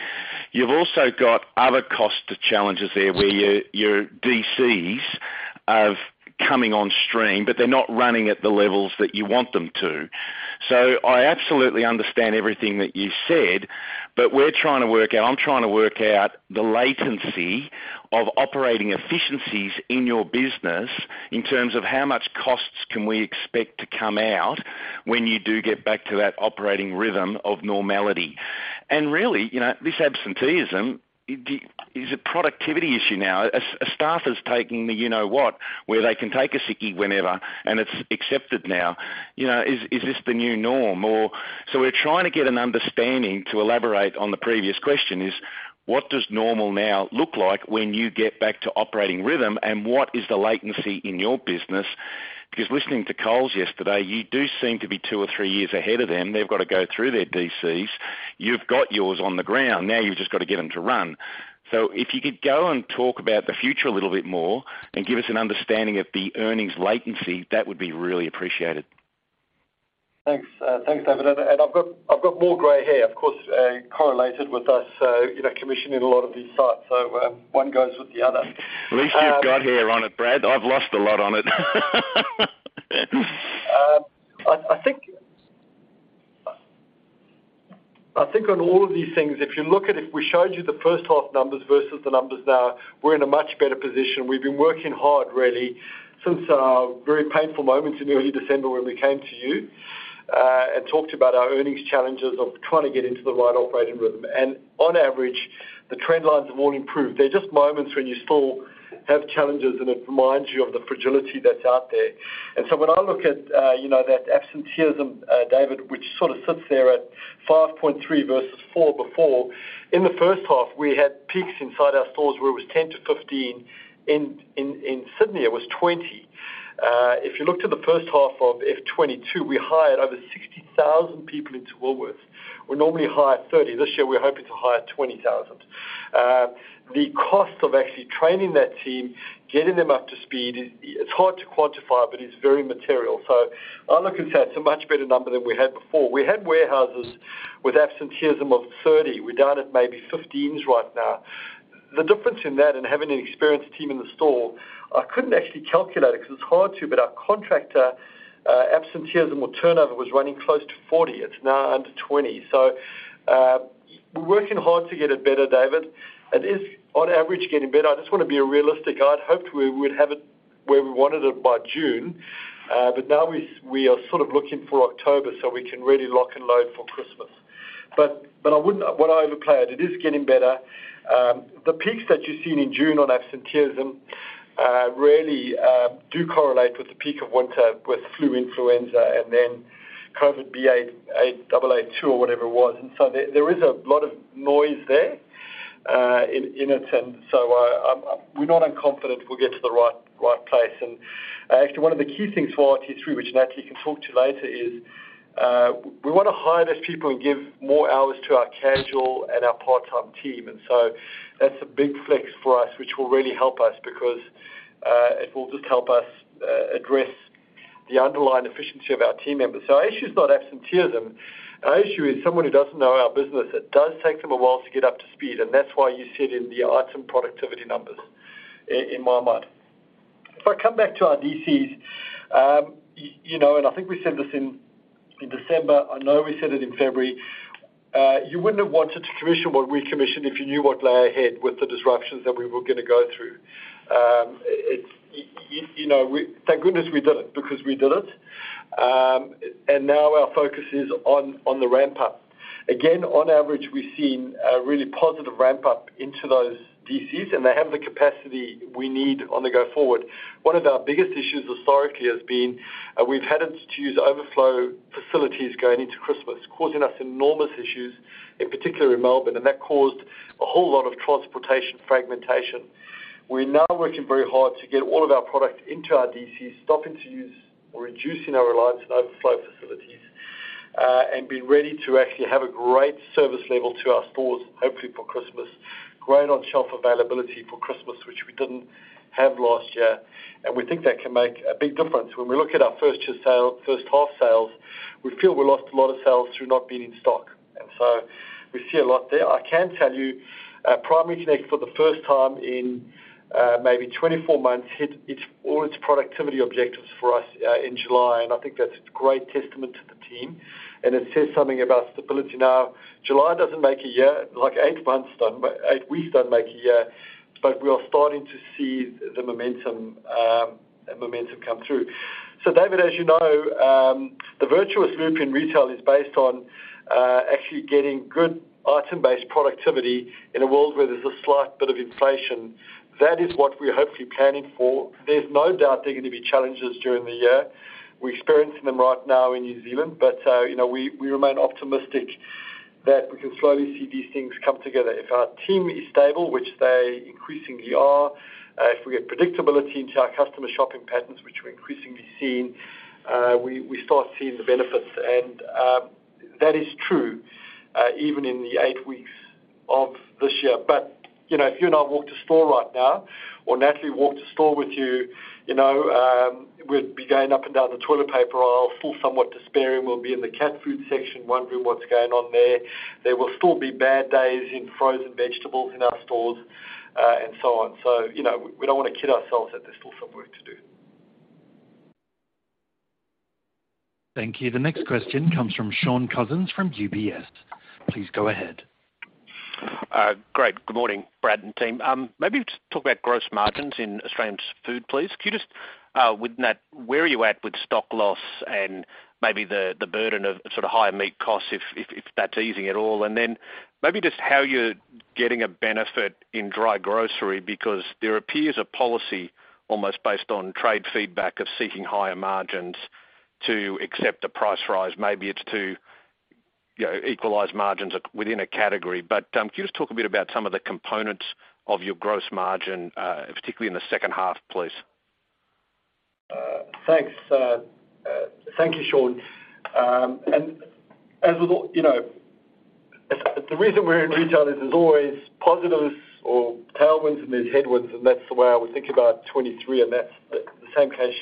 You've also got other cost challenges there where your DCs are coming on stream, but they're not running at the levels that you want them to. I absolutely understand everything that you said, but we're trying to work out. I'm trying to work out the latency of operating efficiencies in your business in terms of how much costs can we expect to come out when you do get back to that operating rhythm of normality. Really, you know, this absenteeism is a productivity issue now. A staff is taking the you know what, where they can take a sickie whenever, and it's accepted now. You know, is this the new norm? We're trying to get an understanding to elaborate on the previous question. What does normal now look like when you get back to operating rhythm and what is the latency in your business? Because listening to Coles yesterday, you do seem to be two or three years ahead of them. They've got to go through their DCs. You've got yours on the ground. Now, you've just got to get them to run. If you could go and talk about the future a little bit more and give us an understanding of the earnings latency, that would be really appreciated. Thanks. Thanks, David. I've got more gray hair, of course, correlated with us, you know, commissioning a lot of these sites. One goes with the other. At least you've got hair on it, Brad. I've lost a lot on it. I think on all of these things, if we showed you the first half numbers versus the numbers now, we're in a much better position. We've been working hard, really, since our very painful moments in early December when we came to you and talked about our earnings challenges of trying to get into the right operating rhythm. On average, the trend lines have all improved. They're just moments when you still have challenges, and it reminds you of the fragility that's out there. When I look at, you know, that absenteeism, David, which sort of sits there at 5.3% versus 4% before, in the first half, we had peaks inside our stores where it was 10%-15%. In Sydney, it was 20%. If you look to the first half of FY 2022, we hired over 60,000 people into Woolworths. We normally hire 30,000. This year, we're hoping to hire 20,000. The cost of actually training that team, getting them up to speed, it's hard to quantify, but it's very material. I look and say that's a much better number than we had before. We had warehouses with absenteeism of 30%. We're down at maybe 15% right now. The difference in that and having an experienced team in the store, I couldn't actually calculate it 'cause it's hard to, but our contractor absenteeism or turnover was running close to 40%. It's now under 20%. We're working hard to get it better, David. It is on average getting better. I just want to be a realistic. I'd hoped we would have it where we wanted it by June, but now we are sort of looking for October, so we can really lock and load for Christmas. I wouldn't want to overplay it. It is getting better. The peaks that you've seen in June on absenteeism really do correlate with the peak of winter with flu, influenza and then COVID BA.8, 882 or whatever it was. There is a lot of noise there, in a sense. We're not unconfident we'll get to the right place. Actually, one of the key things for RT3, which Natalie can talk to you later, is we wanna hire those people and give more hours to our casual and our part-time team. That's a big flex for us, which will really help us because it will just help us address the underlying efficiency of our team members. Our issue is not absenteeism. Our issue is someone who doesn't know our business, it does take them a while to get up to speed, and that's why you see it in the item productivity numbers in my mind. If I come back to our DCs, you know, and I think we said this in December, I know we said it in February, you wouldn't have wanted to commission what we commissioned if you knew what lay ahead with the disruptions that we were gonna go through. It's you know, we thank goodness we did it because we did it. Now our focus is on the ramp up. Again, on average, we've seen a really positive ramp up into those DCs, and they have the capacity we need on the go forward. One of our biggest issues historically has been, we've had to use overflow facilities going into Christmas, causing us enormous issues, in particular in Melbourne, and that caused a whole lot of transportation fragmentation. We're now working very hard to get all of our product into our DCs, stopping to use or reducing our reliance on overflow facilities, and be ready to actually have a great service level to our stores, hopefully for Christmas. Great on-shelf availability for Christmas, which we didn't have last year. We think that can make a big difference. When we look at our first year sale, first half sales, we feel we lost a lot of sales through not being in stock. We see a lot there. I can tell you, Primary Connect for the first time in maybe 24 months hit all its productivity objectives for us in July. I think that's a great testament to the team, and it says something about stability. Now, July doesn't make a year, like eight months done, but eight weeks don't make a year, but we are starting to see the momentum come through. David, as you know, the virtuous loop in retail is based on actually getting good item-based productivity in a world where there's a slight bit of inflation. That is what we're hopefully planning for. There's no doubt there are gonna be challenges during the year. We're experiencing them right now in New Zealand, but we remain optimistic that we can slowly see these things come together. If our team is stable, which they increasingly are, if we get predictability into our customer shopping patterns, which we're increasingly seeing, we start seeing the benefits. That is true even in the eight weeks of this year. If you and I walk to store right now, or Natalie walk to store with you, we'd be going up and down the toilet paper aisle, full somewhat despairing. We'll be in the cat food section, wondering what's going on there. There will still be bad days in frozen vegetables in our stores, and so on. We don't wanna kid ourselves that there's still some work to do. Thank you. The next question comes from Shaun Cousins from UBS. Please go ahead. Great. Good morning, Brad and team. Maybe just talk about gross margins in Australian Food, please. Could you just, with Nat, where are you at with stock loss and maybe the burden of sort of higher meat costs if that's easing at all? Then maybe just how you're getting a benefit in dry grocery because there appears a policy almost based on trade feedback of seeking higher margins to accept a price rise. Maybe it's to, you know, equalize margins at, within a category. But can you just talk a bit about some of the components of your gross margin, particularly in the second half, please? Thanks, thank you, Shaun. As with all, you know. The reason we're in retail is there's always positives or tailwinds, and there's headwinds, and that's the way I would think about 2023, and that's the same case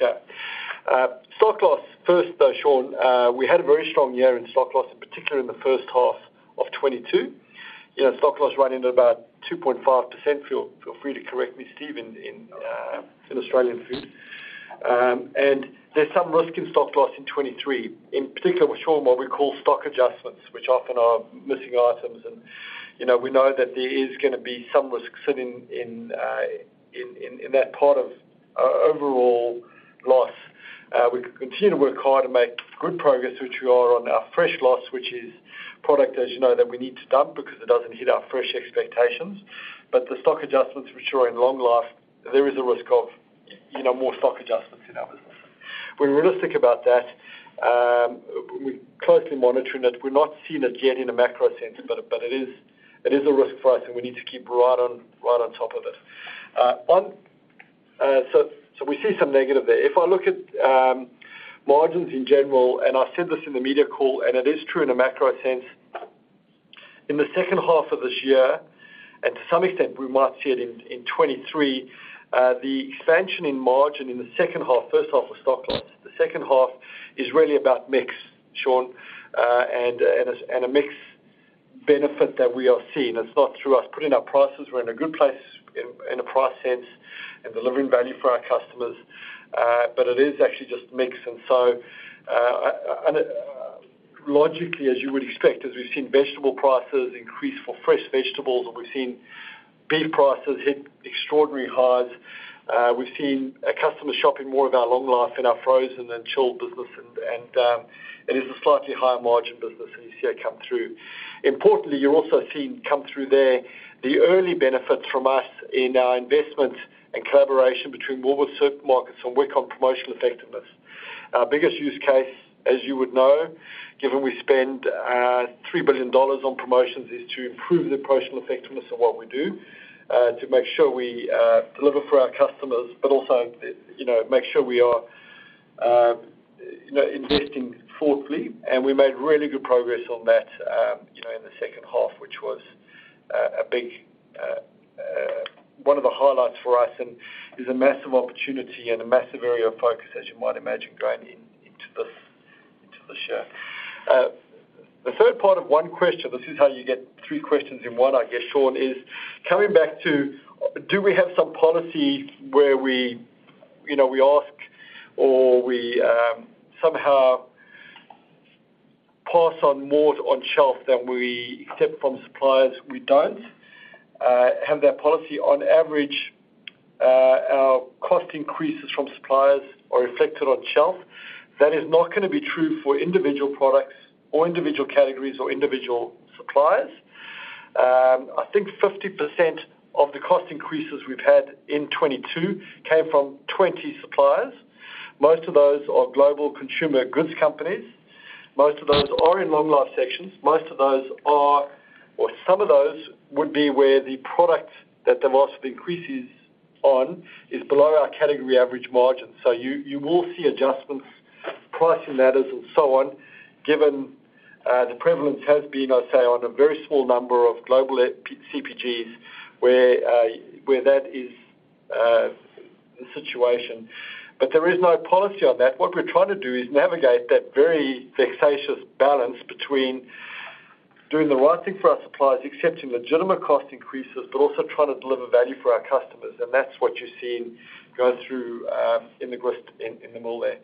here. Stock loss first, though, Shaun, we had a very strong year in stock loss, in particular in the first half of 2022. You know, stock loss running at about 2.5%. Feel free to correct me, Steve, in Australian Food. There's some risk in stock loss in 2023. In particular with Shaun, what we call stock adjustments, which often are missing items. You know, we know that there is gonna be some risk sitting in that part of our overall loss. We continue to work hard to make good progress, which we are on our fresh loss, which is produce, as you know, that we need to dump because it doesn't hit our fresh expectations. The stock adjustments which are in long life, there is a risk of, you know, more stock adjustments in our business. We're realistic about that. We're closely monitoring it. We're not seeing it yet in a macro sense, but it is a risk for us, and we need to keep right on top of it. We see some negative there. If I look at margins in general, and I said this in the media call, and it is true in a macro sense, in the second half of this year, and to some extent we might see it in 2023, the expansion in margin in the second half, first half was stock loss. The second half is really about mix, Shaun. And a mix benefit that we are seeing. It's not through us putting up prices. We're in a good place in a price sense and delivering value for our customers, but it is actually just mix. Logically, as you would expect, as we've seen vegetable prices increase for fresh vegetables, and we've seen beef prices hit extraordinary highs, we've seen our customers shopping more of our long life in our frozen and chilled business and it is a slightly higher margin business, and you see it come through. Importantly, you're also seeing come through there the early benefits from us in our investment and collaboration between Woolworths Supermarkets and work on promotional effectiveness. Our biggest use case, as you would know, given we spend 3 billion dollars on promotions, is to improve the promotional effectiveness of what we do, to make sure we deliver for our customers, but also, you know, make sure we are, you know, investing thoughtfully. We made really good progress on that, you know, in the second half, which was a big one of the highlights for us and is a massive opportunity and a massive area of focus, as you might imagine, going into the year. The third part of one question, this is how you get three questions in one, I guess, Shaun, is coming back to do we have some policy where we, you know, we ask or we somehow pass on more on shelf than we accept from suppliers? We don't have that policy. On average, our cost increases from suppliers are reflected on shelf. That is not gonna be true for individual products or individual categories or individual suppliers. I think 50% of the cost increases we've had in 2022 came from 20 suppliers. Most of those are global consumer goods companies. Most of those are in long life sections. Most of those are, or some of those would be where the product that they've asked for increases on is below our category average margin. So you will see adjustments, pricing letters and so on, given the prevalence has been, I'd say, on a very small number of Global CPG where that is the situation. But there is no policy on that. What we're trying to do is navigate that very vexatious balance between doing the right thing for our suppliers, accepting legitimate cost increases, but also trying to deliver value for our customers. That's what you're seeing go through in the grist in the mill there.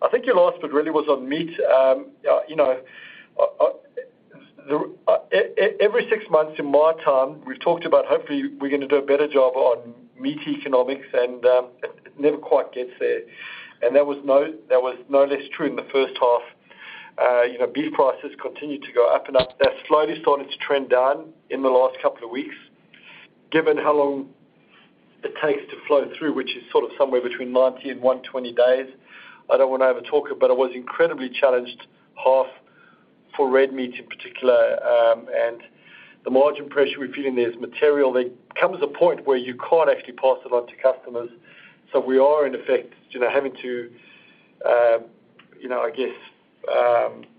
I think your last bit really was on meat. You know, every six months in my time, we've talked about hopefully we're gonna do a better job on meat economics and it never quite gets there. That was no less true in the first half. You know, beef prices continued to go up and up. That's slowly started to trend down in the last couple of weeks. Given how long it takes to flow through, which is sort of somewhere between 90 and 120 days, I don't wanna overtalk it, but it was incredibly challenging half for red meat in particular. The margin pressure we're feeling there is material. There comes a point where you can't actually pass it on to customers. We are in effect, you know, having to, you know, I guess,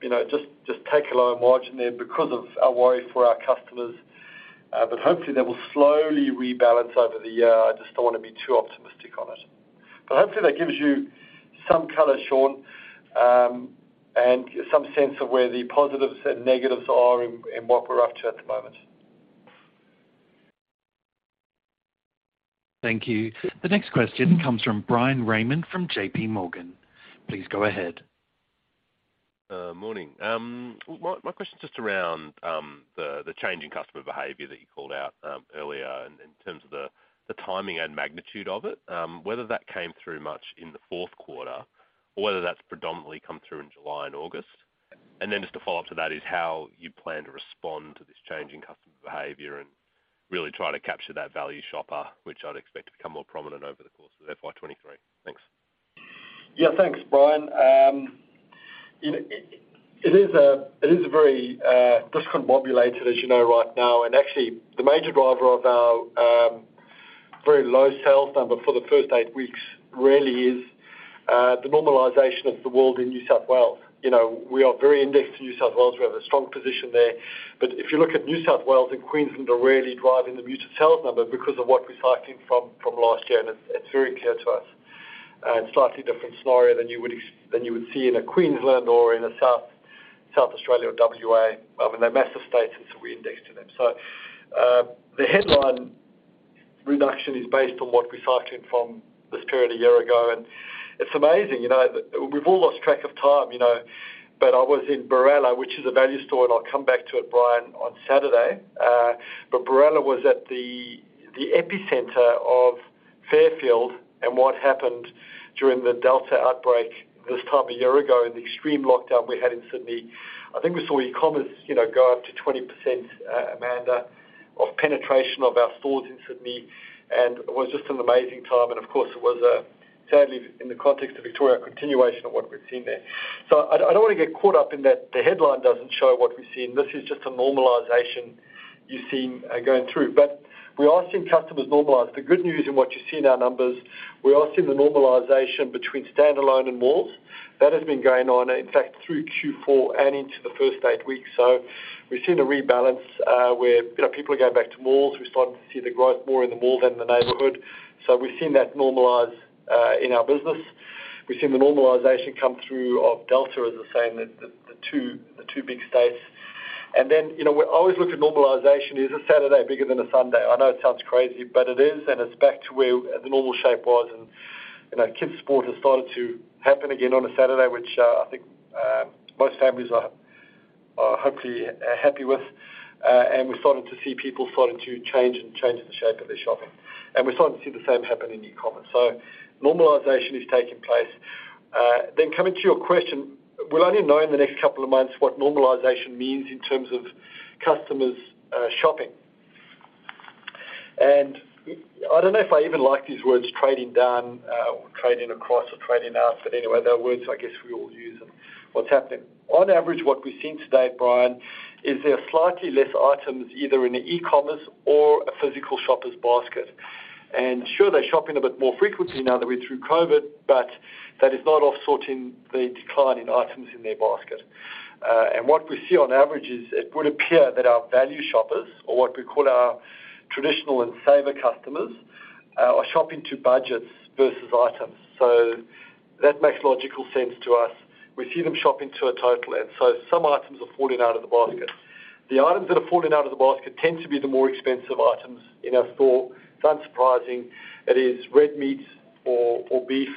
you know, just take a lower margin there because of our worry for our customers. Hopefully that will slowly rebalance over the year. I just don't wanna be too optimistic on it. Hopefully that gives you some color, Shaun, and some sense of where the positives and negatives are in what we're up to at the moment. Thank you. The next question comes from Bryan Raymond from JPMorgan. Please go ahead. Morning. My question is just around the change in customer behavior that you called out earlier in terms of the timing and magnitude of it, whether that came through much in the fourth quarter or whether that's predominantly come through in July and August. Then just a follow-up to that is how you plan to respond to this change in customer behavior and really try to capture that value shopper, which I'd expect to become more prominent over the course of FY 2023. Thanks. Yeah, thanks, Bryan. You know, it is a very discombobulated, as you know, right now. Actually the major driver of our very low sales number for the first eight weeks really is the normalization of the world in New South Wales. You know, we are very indexed to New South Wales. We have a strong position there. If you look at New South Wales and Queensland, they are really driving the muted sales number because of what we're cycling from last year, and it's very clear to us. It's slightly different scenario than you would see in Queensland or in South Australia or WA. I mean, they're massive states, and so we index to them. The headline reduction is based on what we're cycling from this period a year ago. It's amazing, you know, we've all lost track of time, you know. I was in Berala, which is a value store, and I'll come back to it, Bryan, on Saturday. Berala was at the epicenter of Fairfield and what happened during the Delta outbreak this time a year ago and the extreme lockdown we had in Sydney. I think we saw e-commerce, you know, go up to 20%, Amanda, of penetration of our stores in Sydney, and it was just an amazing time. Of course it was, sadly in the context of Victoria, a continuation of what we've seen there. I don't wanna get caught up in that the headline doesn't show what we've seen. This is just a normalization you've seen, going through. We are seeing customers normalize. The good news in what you see in our numbers, we are seeing the normalization between standalone and malls. That has been going on, in fact, through Q4 and into the first eight weeks. We've seen a rebalance, where, you know, people are going back to malls. We're starting to see the growth more in the mall than the neighborhood. We've seen that normalize, in our business. We've seen the normalization come through of Delta as the same, the two big states. We always look at normalization. Is a Saturday bigger than a Sunday? I know it sounds crazy, but it is, and it's back to where the normal shape was. You know, kids sport has started to happen again on a Saturday, which I think most families are hopefully happy with. We're starting to see people starting to change the shape of their shopping. We're starting to see the same happen in e-commerce. Normalization is taking place. Coming to your question, we'll only know in the next couple of months what normalization means in terms of customers shopping. I don't know if I even like these words, trading down or trading across or trading out, but anyway, they're words I guess we all use and what's happening. On average, what we've seen today, Bryan, is there are slightly less items either in the e-commerce or a physical shopper's basket. Sure, they're shopping a bit more frequently now that we're through COVID, but that is not offsetting the decline in items in their basket. What we see on average is it would appear that our value shoppers or what we call our traditional and saver customers are shopping to budgets versus items. That makes logical sense to us. We see them shopping to a total and so some items are falling out of the basket. The items that are falling out of the basket tend to be the more expensive items in our store. It's unsurprising. It is red meat or beef.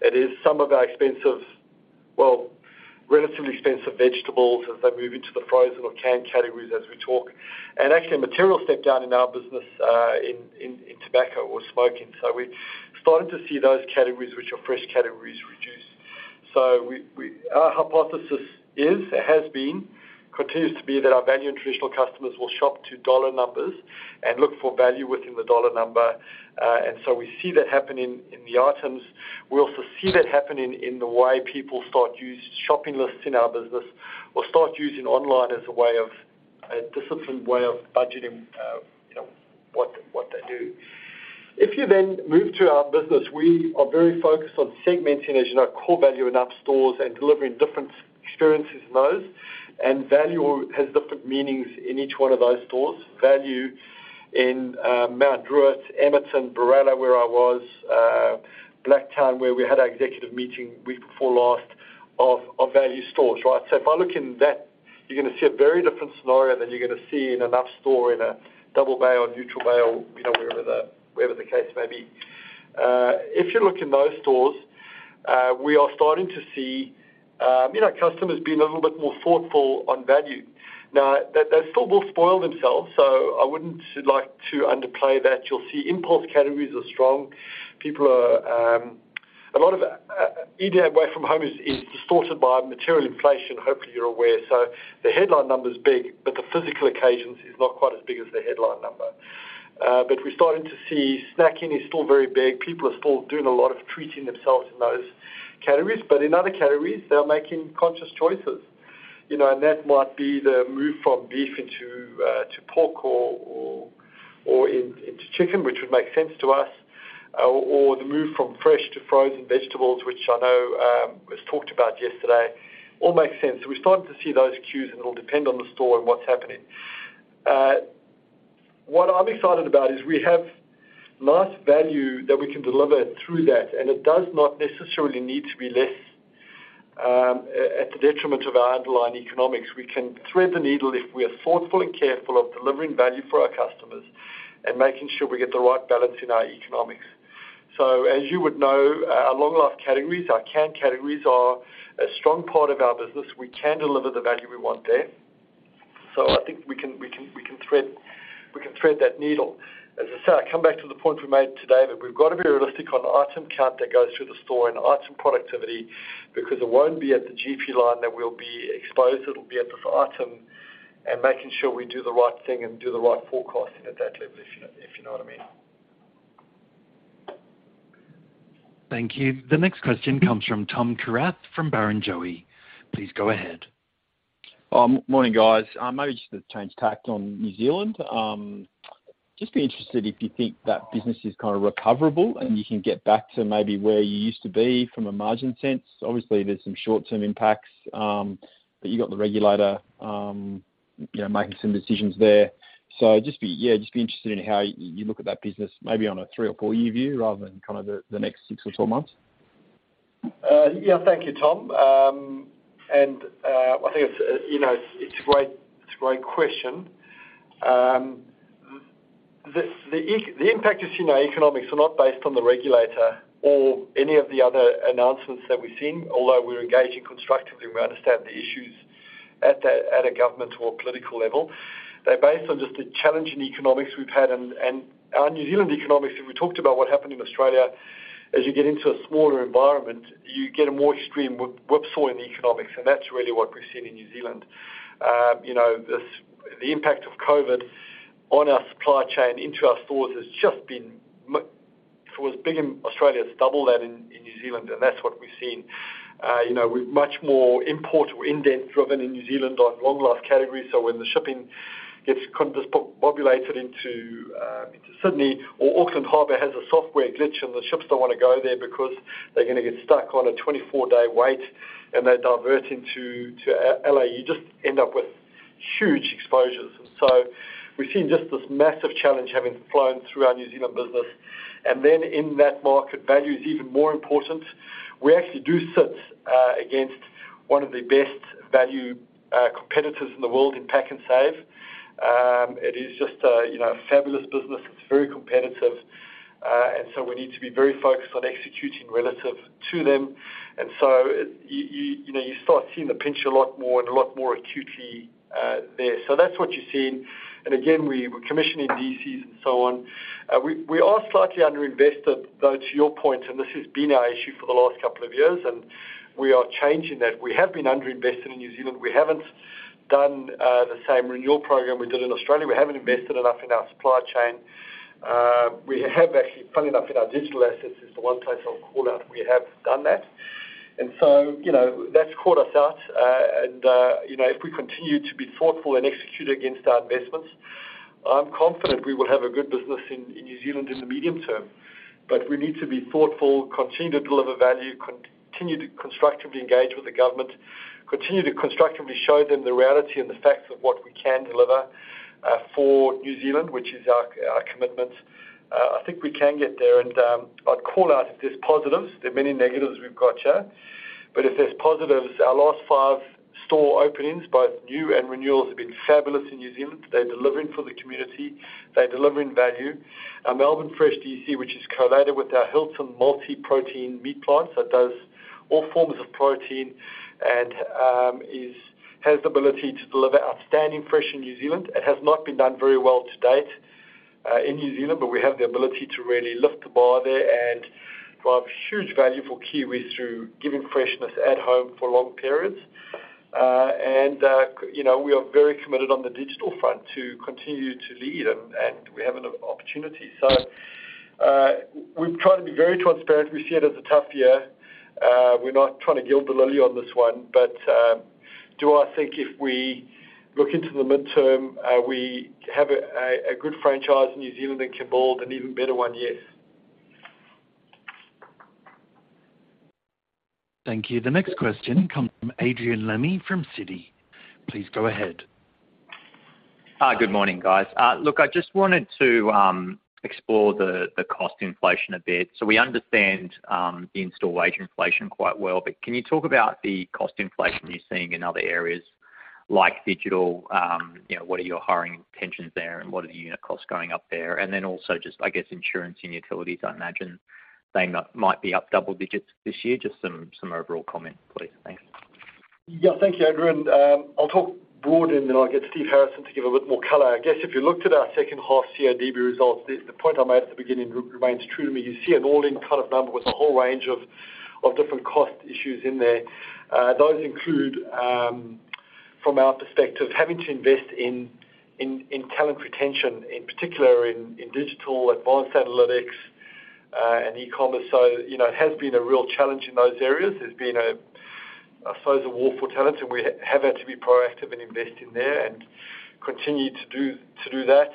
It is some of our expensive, well, relatively expensive vegetables as they move into the frozen or canned categories as we talk. Actually a material step down in our business in tobacco or smoking. We're starting to see those categories, which are fresh categories, reduce. Our hypothesis is, has been, continues to be that our value and traditional customers will shop to dollar numbers and look for value within the dollar number. We see that happening in the items. We also see that happening in the way people start use shopping lists in our business or start using online as a way of, a disciplined way of budgeting, you know, what they do. If you then move to our business, we are very focused on segmenting, as you know, core value in up stores and delivering different experiences in those. Value has different meanings in each one of those stores. Value in Mount Druitt, Emerton, Berala where I was, Blacktown where we had our executive meeting week before last, of value stores, right? If I look in that, you're gonna see a very different scenario than you're gonna see in an up store in a Double Bay or Neutral Bay or, you know, wherever the case may be. If you look in those stores, we are starting to see, you know, customers being a little bit more thoughtful on value. Now, they still will spoil themselves, so I wouldn't like to underplay that. You'll see impulse categories are strong. Eating away from home is distorted by material inflation, hopefully you're aware. The headline number is big, but the physical occasions is not quite as big as the headline number. But we're starting to see snacking is still very big. People are still doing a lot of treating themselves in those categories. In other categories, they are making conscious choices. You know, that might be the move from beef into pork or into chicken, which would make sense to us, or the move from fresh to frozen vegetables, which I know was talked about yesterday, all makes sense. We're starting to see those cues, and it'll depend on the store and what's happening. What I'm excited about is we have nice value that we can deliver through that, and it does not necessarily need to be less at the detriment of our underlying economics. We can thread the needle if we are thoughtful and careful of delivering value for our customers and making sure we get the right balance in our economics. As you would know, our long life categories, our canned categories are a strong part of our business. We can deliver the value we want there. I think we can thread that needle. As I say, I come back to the point we made today that we've got to be realistic on item count that goes through the store and item productivity because it won't be at the GP line that we'll be exposed, it'll be at the item and making sure we do the right thing and do the right forecasting at that level, if you know what I mean. Thank you. The next question comes from Tom Kierath from Barrenjoey. Please go ahead. Morning, guys. Maybe just to change tack on New Zealand. Just be interested if you think that business is kind of recoverable and you can get back to maybe where you used to be from a margin sense. Obviously, there's some short-term impacts, but you got the regulator, you know, making some decisions there. Just be interested in how you look at that business, maybe on a three- or four-year view rather than kind of the next six or 12 months. Yeah. Thank you, Tom. I think it's, you know, a great question. The impact we've seen, our economics are not based on the regulator or any of the other announcements that we've seen, although we're engaging constructively, and we understand the issues at a government or political level. They're based on just the challenging economics we've had and our New Zealand economics. If we talked about what happened in Australia, as you get into a smaller environment, you get a more extreme whipsaw in the economics, and that's really what we've seen in New Zealand. You know, the impact of COVID on our supply chain into our stores has just been massive. If it was big in Australia, it's double that in New Zealand, and that's what we've seen. You know, we're much more import- or indent-driven in New Zealand on long life categories. When the shipping gets kind of populated into Sydney or Auckland Harbor has a software glitch, and the ships don't wanna go there because they're gonna get stuck on a 24-day wait and they're diverting to LA, you just end up with huge exposures. We've seen just this massive challenge having flown through our New Zealand business. In that market, value is even more important. We actually do sit against one of the best value competitors in the world in PAK'nSAVE. It is just a you know, fabulous business. It's very competitive, and so we need to be very focused on executing relative to them. You know, you start seeing the pinch a lot more and a lot more acutely there. That's what you're seeing. Again, we're commissioning DCs and so on. We are slightly underinvested, though, to your point, and this has been our issue for the last couple of years, and we are changing that. We have been underinvested in New Zealand. We haven't done the same renewal program we did in Australia. We haven't invested enough in our supply chain. We have actually, funnily enough, in our digital assets is the one place I'll call out we have done that. You know, that's caught us out. You know, if we continue to be thoughtful and execute against our investments, I'm confident we will have a good business in New Zealand in the medium term. We need to be thoughtful, continue to deliver value, continue to constructively engage with the government, continue to constructively show them the reality and the facts of what we can deliver for New Zealand, which is our commitment. I think we can get there. I'd call out there's positives. There are many negatives we've got, yeah. If there's positives, our last five store openings, both new and renewals, have been fabulous in New Zealand. They're delivering for the community. They're delivering value. Our Melbourne Fresh DC, which is co-located with our Hilton multi-protein meat plant that does all forms of protein and has the ability to deliver outstanding fresh in New Zealand. It has not been done very well to date in New Zealand, but we have the ability to really lift the bar there and drive huge value for Kiwis through giving freshness at home for long periods. You know, we are very committed on the digital front to continue to lead and we have an opportunity. We've tried to be very transparent. We see it as a tough year. We're not trying to gild the lily on this one. Do I think if we look into the midterm, we have a good franchise in New Zealand and an even better one year. Thank you. The next question comes from Adrian Lemme from Citi. Please go ahead. Hi. Good morning, guys. Look, I just wanted to explore the cost inflation a bit. We understand the in-store wage inflation quite well, but can you talk about the cost inflation you're seeing in other areas? Like digital, you know, what are your hiring intentions there, and what are the unit costs going up there? Then also just, I guess, insurance and utilities, I imagine they might be up double digits this year. Just some overall comment, please. Thanks. Yeah. Thank you, Adrian. I'll talk broad and then I'll get Stephen Harrison to give a little more color. I guess if you looked at our second half CODB results, the point I made at the beginning remains true to me. You see an all-in kind of number with a whole range of different cost issues in there. Those include, from our perspective, having to invest in talent retention, in particular in digital, advanced analytics, and e-commerce. You know, it has been a real challenge in those areas. There's been, I suppose, a war for talent, and we have had to be proactive and invest in there and continue to do that.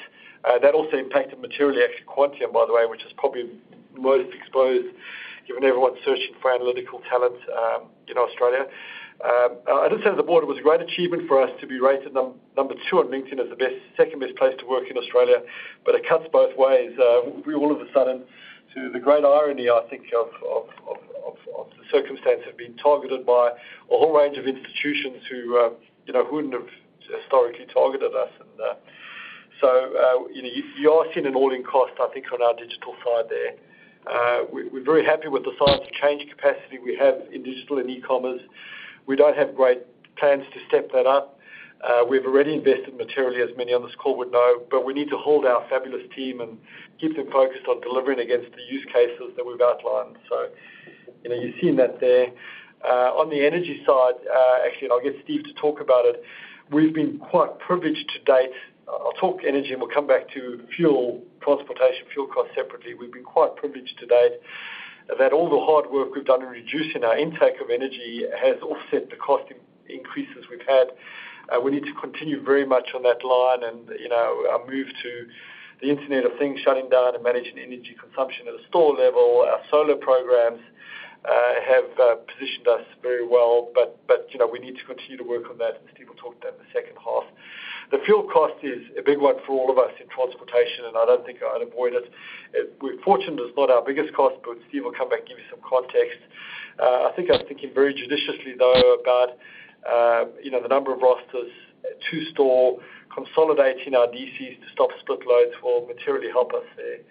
That also impacted materially actually Quantium, by the way, which is probably most exposed given everyone's searching for analytical talent in Australia. I'd just say as a board, it was a great achievement for us to be rated number two on LinkedIn as the second-best place to work in Australia, but it cuts both ways. We all of a sudden, to the great irony I think of the circumstance, have been targeted by a whole range of institutions who, you know, who wouldn't have historically targeted us. You know, you are seeing an all-in cost I think on our digital side there. We're very happy with the size and scale capacity we have in digital and e-commerce. We don't have great plans to step that up. We've already invested materially, as many on this call would know, but we need to hold our fabulous team and keep them focused on delivering against the use cases that we've outlined. You know, you've seen that there. On the energy side, actually, I'll get Steve to talk about it, we've been quite privileged to date. I'll talk energy, and we'll come back to fuel transportation, fuel cost separately. We've been quite privileged to date that all the hard work we've done in reducing our intake of energy has offset the cost increases we've had. We need to continue very much on that line and, you know, our move to the Internet of Things, shutting down and managing energy consumption at a store level. Our Solar Programs have positioned us very well, but, you know, we need to continue to work on that, and Steve will talk to that in the second half. The fuel cost is a big one for all of us in transportation, and I don't think I'd avoid it. We're fortunate it's not our biggest cost, but Steve will come back and give you some context. I think I was thinking very judiciously, though, about, you know, the number of rosters per store, consolidating our DCs to stop split loads will materially help us there.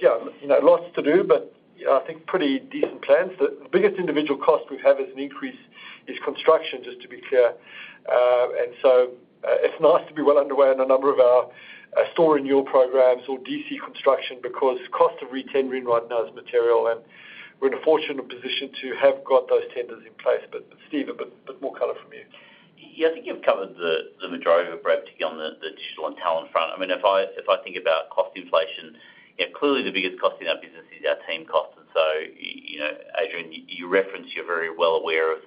Yeah, you know, lots to do, but I think pretty decent plans. The biggest individual cost we've had as an increase is construction, just to be clear. It's nice to be well underway on a number of our store renewal programs or DC construction because cost of retendering right now is material, and we're in a fortunate position to have got those tenders in place. Steve, a bit more color from you. Yeah. I think you've covered the majority of it, Brad, particularly on the digital and talent front. I mean, if I think about cost inflation, you know, clearly the biggest cost in our business is our team costs. You know, Adrian, you referenced you're very well aware of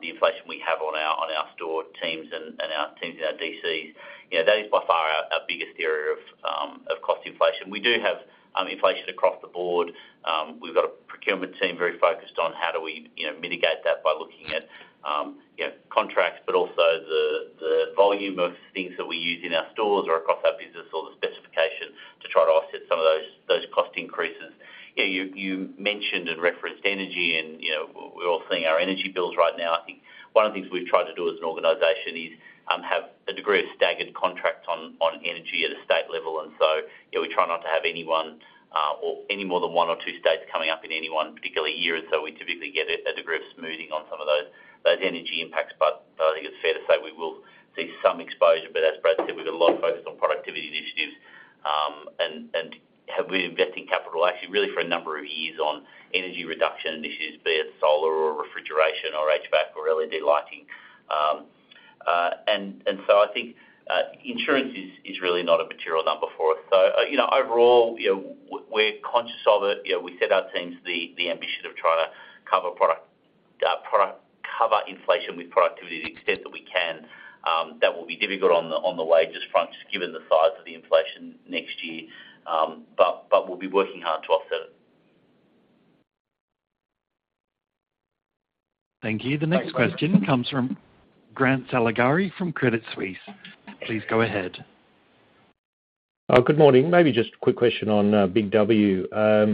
the inflation we have on our store teams and our teams in our DCs. You know, that is by far our biggest area of cost inflation. We do have inflation across the board. We've got a procurement team very focused on how do we, you know, mitigate that by looking at, you know, contracts, but also the volume of things that we use in our stores or across our business or the specification to try to offset some of those cost increases. You mentioned and referenced energy and, you know, we're all seeing our energy bills right now. I think one of the things we've tried to do as an organization is have a degree of staggered contracts on energy at a state level. You know, we try not to have any one or any more than one or two states coming up in any one particular year. We typically get a degree of smoothing on some of those energy impacts. But I think it's fair to say we will see some exposure. But as Brad said, we've got a lot of focus on productivity initiatives and have been investing capital actually really for a number of years on energy reduction initiatives, be it solar or refrigeration or HVAC or LED lighting. I think insurance is really not a material number for us. You know, overall, you know, we're conscious of it. You know, we set our teams the ambition of trying to cover inflation with productivity to the extent that we can. That will be difficult on the wages front, just given the size of the inflation next year. We'll be working hard to offset it. Thank you. Thanks, Adrian. The next question comes from Grant Saligari from Credit Suisse. Please go ahead. Good morning. Maybe just a quick question on BIG W. I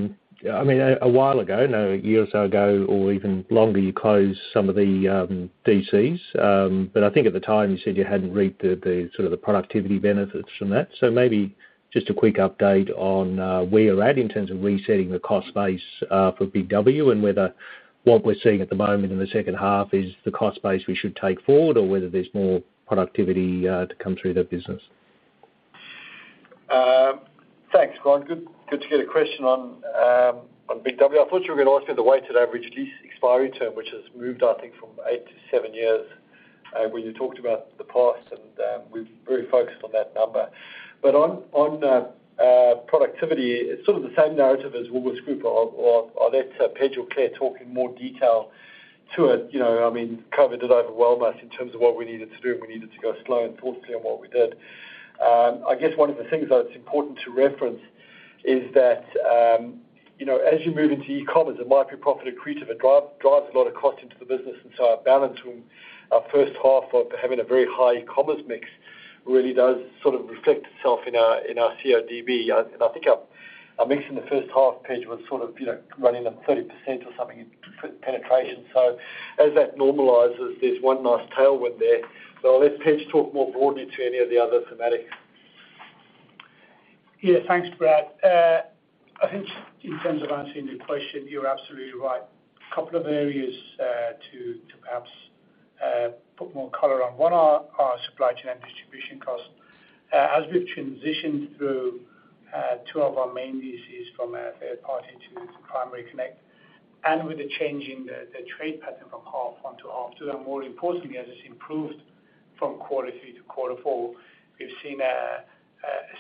mean, a while ago, you know, a year or so ago or even longer, you closed some of the DCs. But I think at the time you said you hadn't reaped the sort of productivity benefits from that. Maybe just a quick update on where you're at in terms of resetting the cost base for BIG W and whether what we're seeing at the moment in the second half is the cost base we should take forward or whether there's more productivity to come through that business. Thanks, Grant. Good to get a question on BIG W. I thought you were gonna ask me the weighted average lease expiry term, which has moved I think from eight to seven years when you talked about the past, and we're very focused on that number. On productivity, it's sort of the same narrative as Woolworths Group. I'll let Pejman or Claire talk in more detail to it. You know, I mean, COVID did overwhelm us in terms of what we needed to do, and we needed to go slow and thoughtfully on what we did. I guess one of the things that's important to reference is that you know, as you move into e-commerce, it might be profit accretive. It drives a lot of cost into the business. Our balance from our first half of having a very high e-commerce mix really does sort of reflect itself in our CODB. I think I mentioned the first half, Pejman Okhovat, was sort of, you know, running at 30% or something in penetration. As that normalizes, there's one nice tailwind there. I'll let Pejman Okhovat talk more broadly to any of the other thematics. Yeah, thanks, Brad. I think in terms of answering your question, you're absolutely right. A couple of areas to perhaps put more color on. One, our supply chain and distribution cost. As we've transitioned through two of our main DCs from a third party to Primary Connect, and with the change in the trade pattern from half one to half two, and more importantly, as it's improved from quarter three to quarter four, we've seen a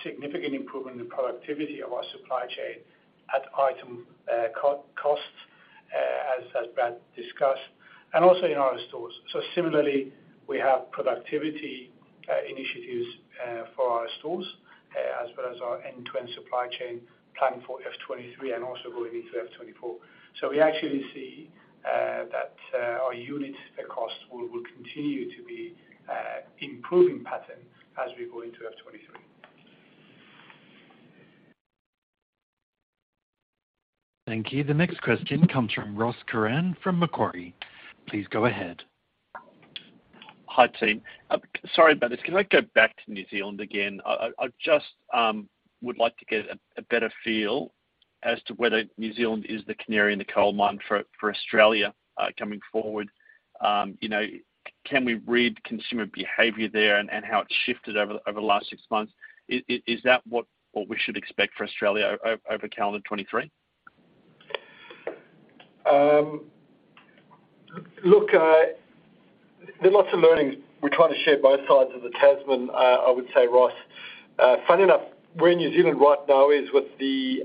significant improvement in the productivity of our supply chain at item cost, as Brad discussed, and also in our stores. Similarly, we have productivity initiatives for our stores as well as our end-to-end supply chain planning for FY 2023 and also going into FY 2024. We actually see that our unit cost will continue to be an improving pattern as we go into FY 2023. Thank you. The next question comes from Ross Curran from Macquarie. Please go ahead. Hi, team. Sorry about this. Can I go back to New Zealand again? I just would like to get a better feel as to whether New Zealand is the canary in the coal mine for Australia coming forward. You know, can we read consumer behavior there and how it shifted over the last six months? Is that what we should expect for Australia over calendar 2023? Look, there are lots of learnings we're trying to share both sides of the Tasman, I would say, Ross. Funny enough, where New Zealand right now is with the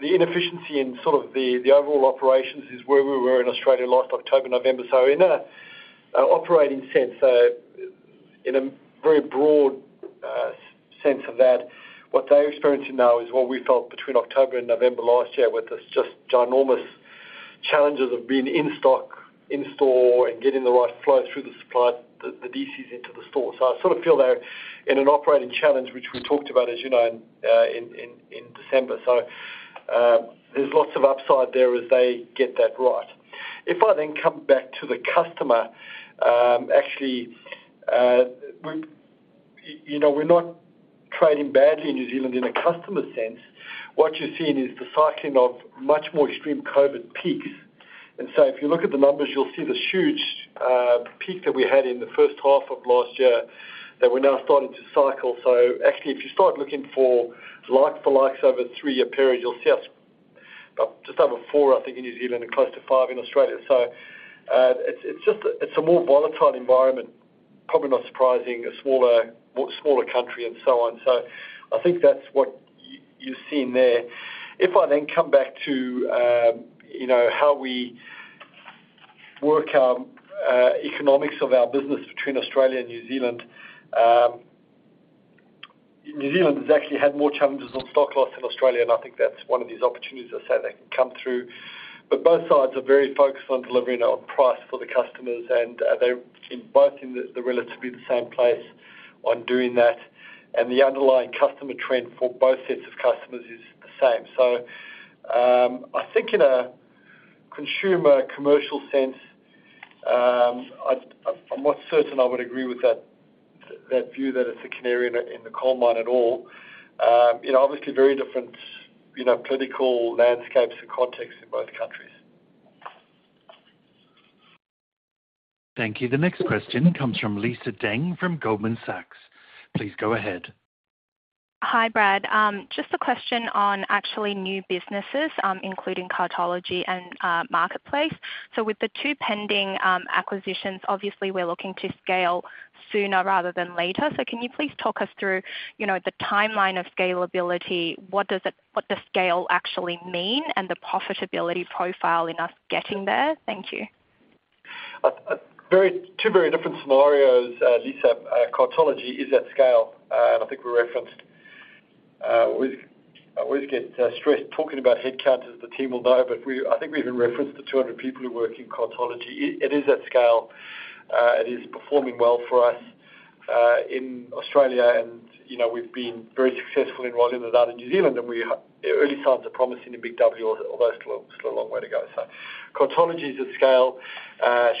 inefficiency in sort of the overall operations is where we were in Australia last October, November. In an operating sense, in a very broad sense of that, what they're experiencing now is what we felt between October and November last year, with the just ginormous challenges of being in stock, in store, and getting the right flow through the supply, the DCs into the store. I sort of feel they're in an operating challenge, which we talked about, as you know, in December. There's lots of upside there as they get that right. If I then come back to the customer, actually, you know, we're not trading badly in New Zealand in a customer sense. What you're seeing is the cycling of much more extreme COVID peaks. If you look at the numbers, you'll see the huge peak that we had in the first half of last year that we're now starting to cycle. Actually, if you start looking for like for likes over a three-year period, you'll see us about just over 4%, I think, in New Zealand and close to 5% in Australia. It's just a more volatile environment, probably not surprising, a smaller country and so on. I think that's what you're seeing there. If I then come back to, you know, how we work our economics of our business between Australia and New Zealand, New Zealand has actually had more challenges on stock loss than Australia, and I think that's one of these opportunities, as I say, that can come through. Both sides are very focused on delivering our price for the customers, and they're both in the relatively same place on doing that. The underlying customer trend for both sets of customers is the same. I think in a consumer commercial sense, I'm not certain I would agree with that view that it's a canary in the coal mine at all. You know, obviously very different, you know, political landscapes and contexts in both countries. Thank you. The next question comes from Lisa Deng from Goldman Sachs. Please go ahead. Hi, Brad. Just a question on actually new businesses, including Cartology and Marketplace. With the two pending acquisitions, obviously we're looking to scale sooner rather than later. Can you please talk us through, you know, the timeline of scalability? What the scale actually mean and the profitability profile in us getting there? Thank you. Two very different scenarios, Lisa. Cartology is at scale. I always get stressed talking about headcounts, as the team will know, but I think we even referenced the 200 people who work in Cartology. It is at scale. It is performing well for us in Australia and, you know, we've been very successful in rolling it out in New Zealand, and early signs are promising in BIG W, although still a long way to go. Cartology is at scale.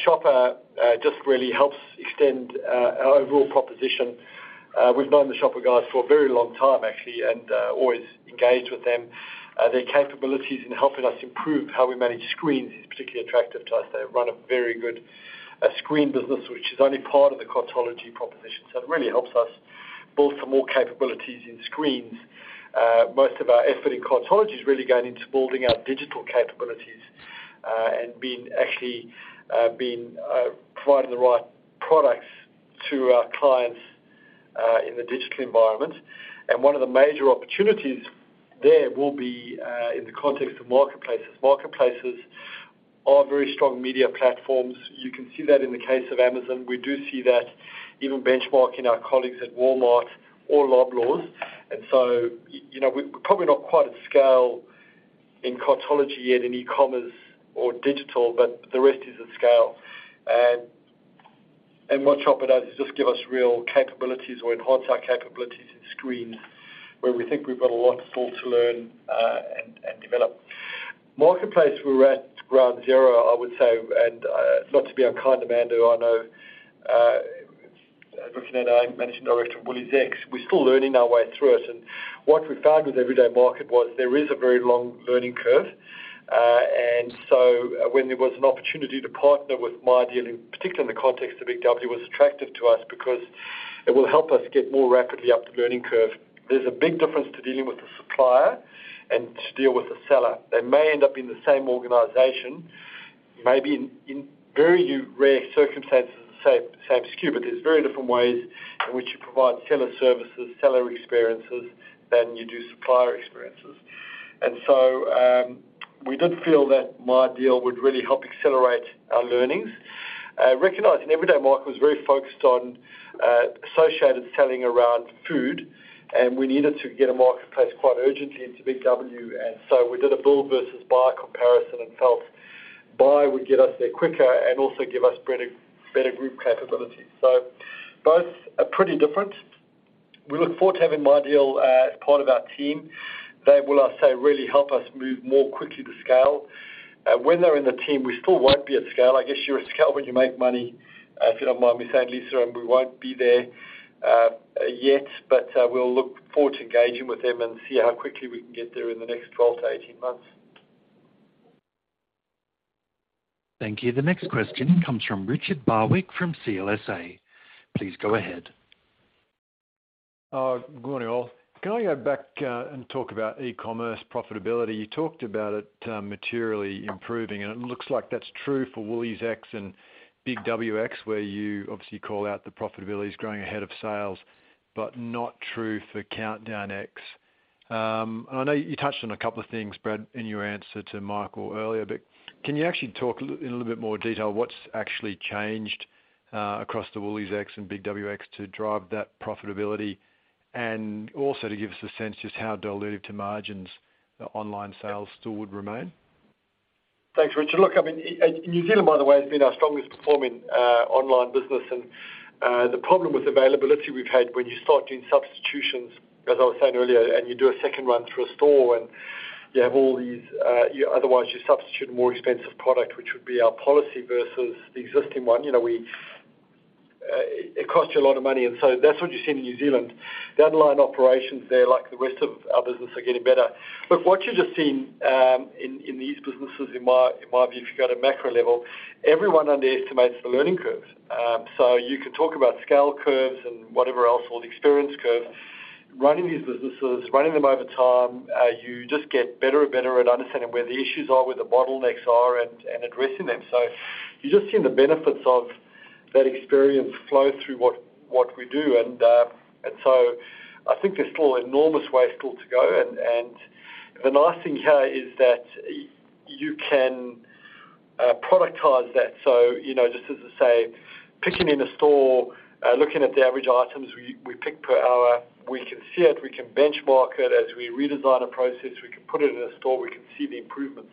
Shopper just really helps extend our overall proposition. We've known the Shopper guys for a very long time actually and always engaged with them. Their capabilities in helping us improve how we manage screens is particularly attractive to us. They run a very good screen business, which is only part of the Cartology proposition. It really helps us build some more capabilities in screens. Most of our effort in Cartology is really going into building our digital capabilities, and being actually providing the right products to our clients in the digital environment. One of the major opportunities there will be in the context of marketplaces. Marketplaces are very strong media platforms. You can see that in the case of Amazon. We do see that even benchmarking our colleagues at Walmart or Loblaws. You know, we're probably not quite at scale in Cartology yet in e-commerce or digital, but the rest is at scale. What Shopper does is just give us real capabilities or enhance our capabilities in screens where we think we've got a lot still to learn and develop. Marketplace, we're at ground zero, I would say. Not to be unkind to Amanda Bardwell, I know our Managing Director, WooliesX, we're still learning our way through it. What we found with Everyday Market was there is a very long learning curve. When there was an opportunity to partner with MyDeal, in particular in the context of BIG W, it was attractive to us because it will help us get more rapidly up the learning curve. There's a big difference between dealing with the supplier and dealing with the seller. They may end up in the same organization, maybe in very rare circumstances, the same SKU, but there's very different ways in which you provide seller services, seller experiences than you do supplier experiences. We did feel that MyDeal would really help accelerate our learnings. Recognizing Everyday Market was very focused on associated selling around food, and we needed to get a marketplace quite urgently into BIG W. We did a build versus buy comparison and felt buy would get us there quicker and also give us better group capabilities. Both are pretty different. We look forward to having MyDeal as part of our team. They will, I say, really help us move more quickly to scale. When they're in the team, we still won't be at scale. I guess you're at scale when you make money, if you don't mind me saying, Lisa, and we won't be there yet, but we'll look forward to engaging with them and see how quickly we can get there in the next 12-18 months. Thank you. The next question comes from Richard Barwick from CLSA. Please go ahead. Good morning, all. Can I go back and talk about e-commerce profitability? You talked about it materially improving, and it looks like that's true for WooliesX and BIG W, where you obviously call out the profitability is growing ahead of sales, but not true for Countdown. I know you touched on a couple of things, Brad, in your answer to Michael earlier, but can you actually talk a little, in a little bit more detail what's actually changed across the WooliesX and BIG W to drive that profitability and also to give us a sense just how dilutive to margins online sales still would remain? Thanks, Richard. Look, I mean, New Zealand, by the way, has been our strongest performing online business. The problem with availability we've had when you start doing substitutions, as I was saying earlier, and you do a second run through a store and you have all these. Otherwise you substitute a more expensive product, which would be our policy versus the existing one. You know, It costs you a lot of money, and so that's what you see in New Zealand. The underlying operations there, like the rest of our business, are getting better. What you've just seen, in these businesses, in my view, if you go to macro level, everyone underestimates the learning curves. You can talk about scale curves and whatever else, or the experience curves. Running these businesses, running them over time, you just get better and better at understanding where the issues are, where the bottlenecks are, and addressing them. You're just seeing the benefits of that experience flow through what we do. I think there's still enormous way still to go. The nice thing here is that you can productize that. You know, just as I say, picking in a store, looking at the average items we pick per hour, we can see it, we can benchmark it. As we redesign a process, we can put it in a store, we can see the improvement.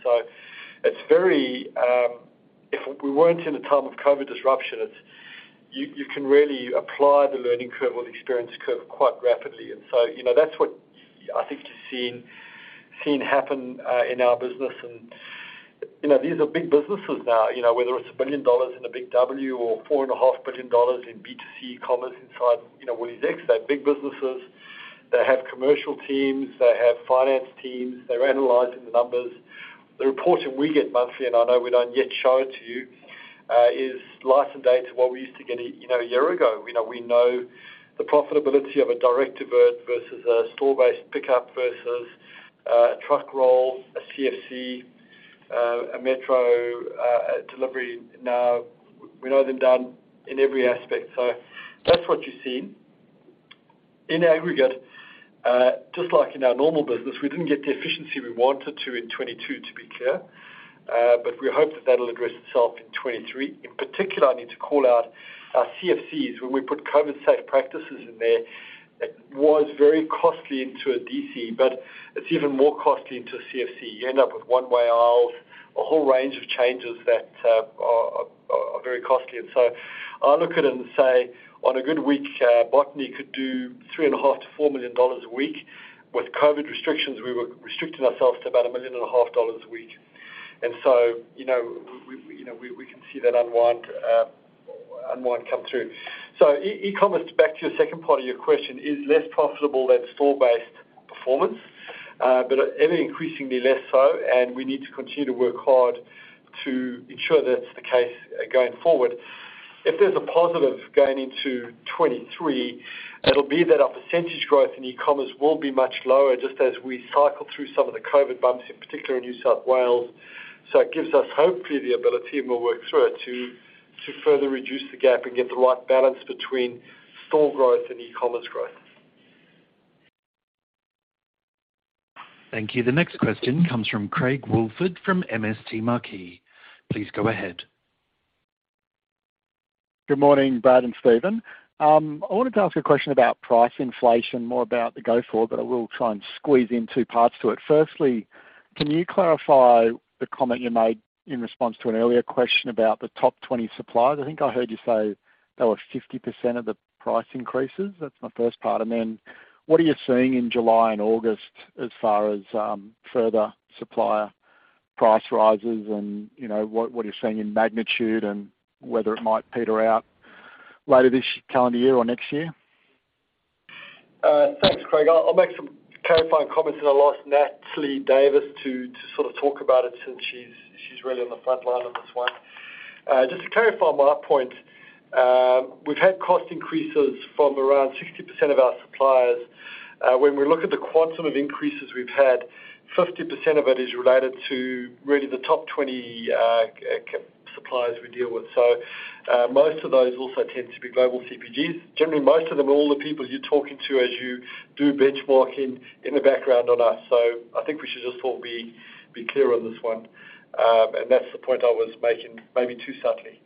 If we weren't in a time of COVID disruption, you can really apply the learning curve or the experience curve quite rapidly. you know, that's what I think you're seeing happen in our business. you know, these are big businesses now. you know, whether it's 1 billion dollars in a BIG W or 4.5 billion dollars in B2C e-commerce inside WooliesX. They're big businesses. They have commercial teams. They have finance teams. They're analyzing the numbers. The reporting we get monthly, and I know we don't yet show it to you, is lighter than the data we used to get, you know, a year ago. you know, we know the profitability of a direct-to-boot versus a store-based pickup versus a truck roll, a CFC, a metro delivery now. We know them down to every aspect. That's what you're seeing. In aggregate, just like in our normal business, we didn't get the efficiency we wanted to in 2022, to be clear. We hope that that'll address itself in 2023. In particular, I need to call out our CFCs. When we put COVID safe practices in there, it was very costly into a DC, but it's even more costly into CFC. You end up with one-way aisles, a whole range of changes that are very costly. I look at it and say, on a good week, Botany could do 3.5 million-4 million dollars a week. With COVID restrictions, we were restricting ourselves to about 1.5 million a week. You know, we can see that unwind come through. E-commerce, back to your second part of your question, is less profitable than store-based performance, but ever increasingly less so, and we need to continue to work hard to ensure that's the case going forward. If there's a positive going into 2023, it'll be that our percentage growth in e-commerce will be much lower just as we cycle through some of the COVID bumps, in particular in New South Wales. It gives us hopefully the ability, and we'll work through it, to further reduce the gap and get the right balance between store growth and e-commerce growth. Thank you. The next question comes from Craig Woolford from MST Marquee. Please go ahead. Good morning, Brad and Stephen. I wanted to ask a question about price inflation, more about the going forward, but I will try and squeeze in two parts to it. Firstly, can you clarify the comment you made in response to an earlier question about the top 20 suppliers? I think I heard you say there were 50% of the price increases. That's my first part. What are you seeing in July and August as far as further supplier price rises and what are you seeing in magnitude and whether it might peter out later this calendar year or next year? Thanks, Craig. I'll make some clarifying comments and I'll ask Natalie Davis to sort of talk about it since she's really on the front line of this one. Just to clarify my point, we've had cost increases from around 60% of our suppliers. When we look at the quantum of increases we've had, 50% of it is related to really the top 20 suppliers we deal with. Most of those also tend to be Global CPG. Generally, most of them are all the people you're talking to as you do benchmarking in the background on us. I think we should just all be clear on this one. That's the point I was making, maybe too subtly.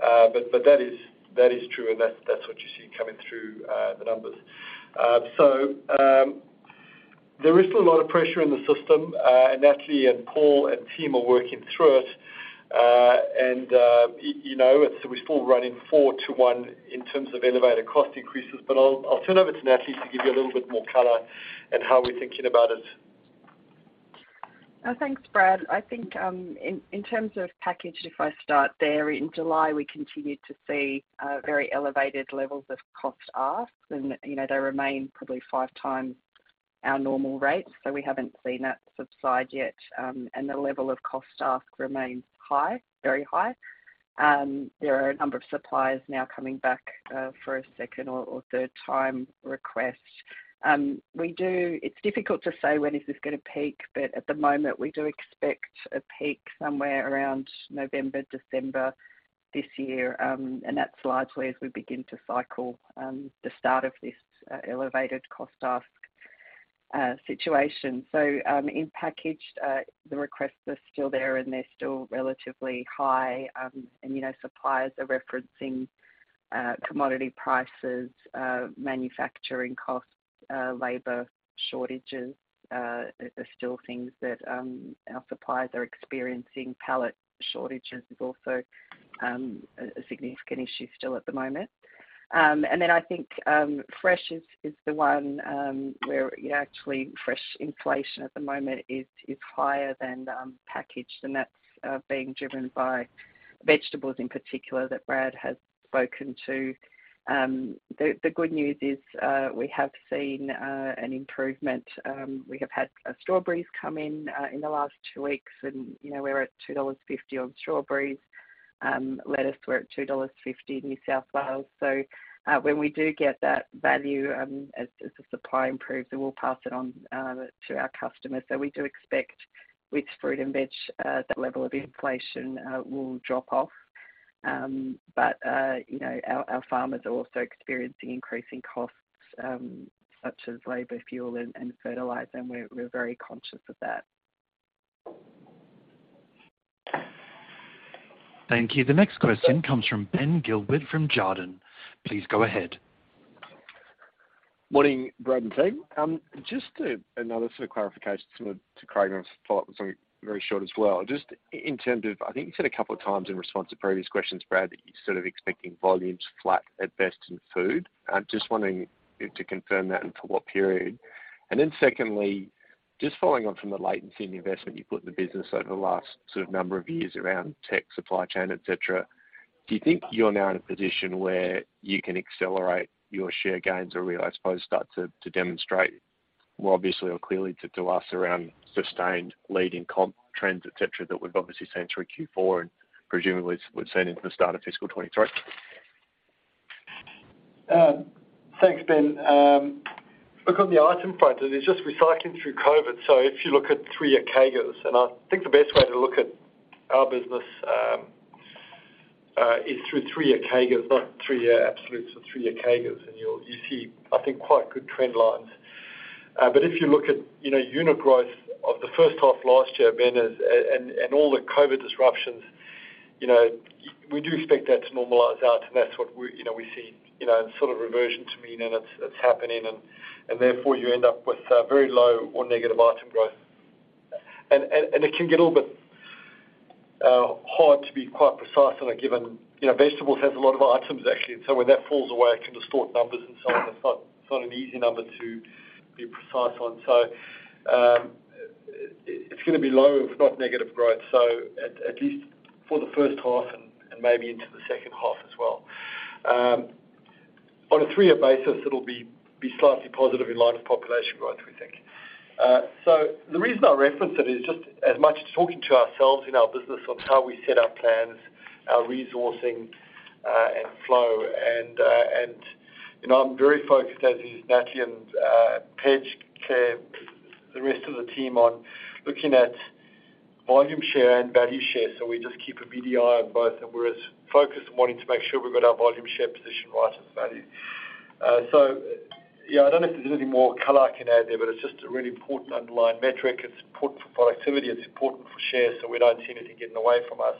That is true, and that's what you see coming through the numbers. There is still a lot of pressure in the system, and Natalie and Paul and team are working through it. You know, we're still running four to one in terms of elevated cost increases. I'll turn over to Natalie to give you a little bit more color on how we're thinking about it. Thanks, Brad. I think in terms of packaged, if I start there, in July, we continued to see very elevated levels of cost asks, and you know, they remain probably five times our normal rates, so we haven't seen that subside yet. The level of cost ask remains high, very high. There are a number of suppliers now coming back for a second or third time request. It's difficult to say when is this gonna peak, but at the moment, we do expect a peak somewhere around November, December this year, and that's largely as we begin to cycle the start of this elevated cost ask situation. In packaged, the requests are still there, and they're still relatively high. You know, suppliers are referencing commodity prices, manufacturing costs, labor shortages are still things that our suppliers are experiencing. Pallet shortages is also a significant issue still at the moment. I think fresh is the one where actually fresh inflation at the moment is higher than packaged, and that's being driven by vegetables in particular that Brad has spoken to. The good news is we have seen an improvement. We have had strawberries come in in the last two weeks and, you know, we're at 2.50 dollars on strawberries. Lettuce, we're at 2.50 dollars in New South Wales. When we do get that value as the supply improves, then we'll pass it on to our customers. We do expect with fruit and veg that level of inflation will drop off. You know, our farmers are also experiencing increasing costs such as labor, fuel and fertilizer, and we're very conscious of that. Thank you. The next question comes from Ben Gilbert from Jarden. Please go ahead. Morning, Brad and team. Just another sort of clarification similar to Craig, and a follow-up with something very short as well. Just in terms of, I think you said a couple of times in response to previous questions, Brad, that you're sort of expecting volumes flat at best in food. I'm just wanting you to confirm that and for what period. Then secondly, just following on from the latency and investment you've put in the business over the last sort of number of years around tech, supply chain, et cetera, do you think you're now in a position where you can accelerate your share gains or really, I suppose, start to demonstrate more obviously or clearly to us around sustained leading comp trends, et cetera, that we've obviously seen through Q4 and presumably we've seen into the start of fiscal 2023? Thanks, Ben. Look, on the item front, it is just recycling through COVID. If you look at three-year CAGRs, and I think the best way to look at our business is through three-year CAGRs, not three-year absolutes, but three-year CAGRs, and you'll see, I think, quite good trend lines. But if you look at, you know, unit growth of the first half last year, Ben, and all the COVID disruptions, you know, we do expect that to normalize out, and that's what we you know see you know sort of reversion to mean, and it's happening and therefore, you end up with very low or negative item growth. It can get a little bit hard to be quite precise on a given, you know, vegetables has a lot of items, actually, and so when that falls away, it can distort numbers and so on. It's not an easy number to be precise on. It's gonna be low, if not negative growth, at least for the first half and maybe into the second half as well. On a three-year basis, it'll be slightly positive in line with population growth, we think. The reason I reference it is just as much talking to ourselves in our business on how we set our plans, our resourcing, and flow. You know, I'm very focused, as is Natalie and Pejman Okhovat, the rest of the team, on looking at volume share and value share. We just keep a beady eye on both, and we're as focused on wanting to make sure we've got our volume share position right as value. Yeah, I don't know if there's anything more color I can add there, but it's just a really important underlying metric. It's important for productivity, it's important for share, so we don't see anything getting away from us,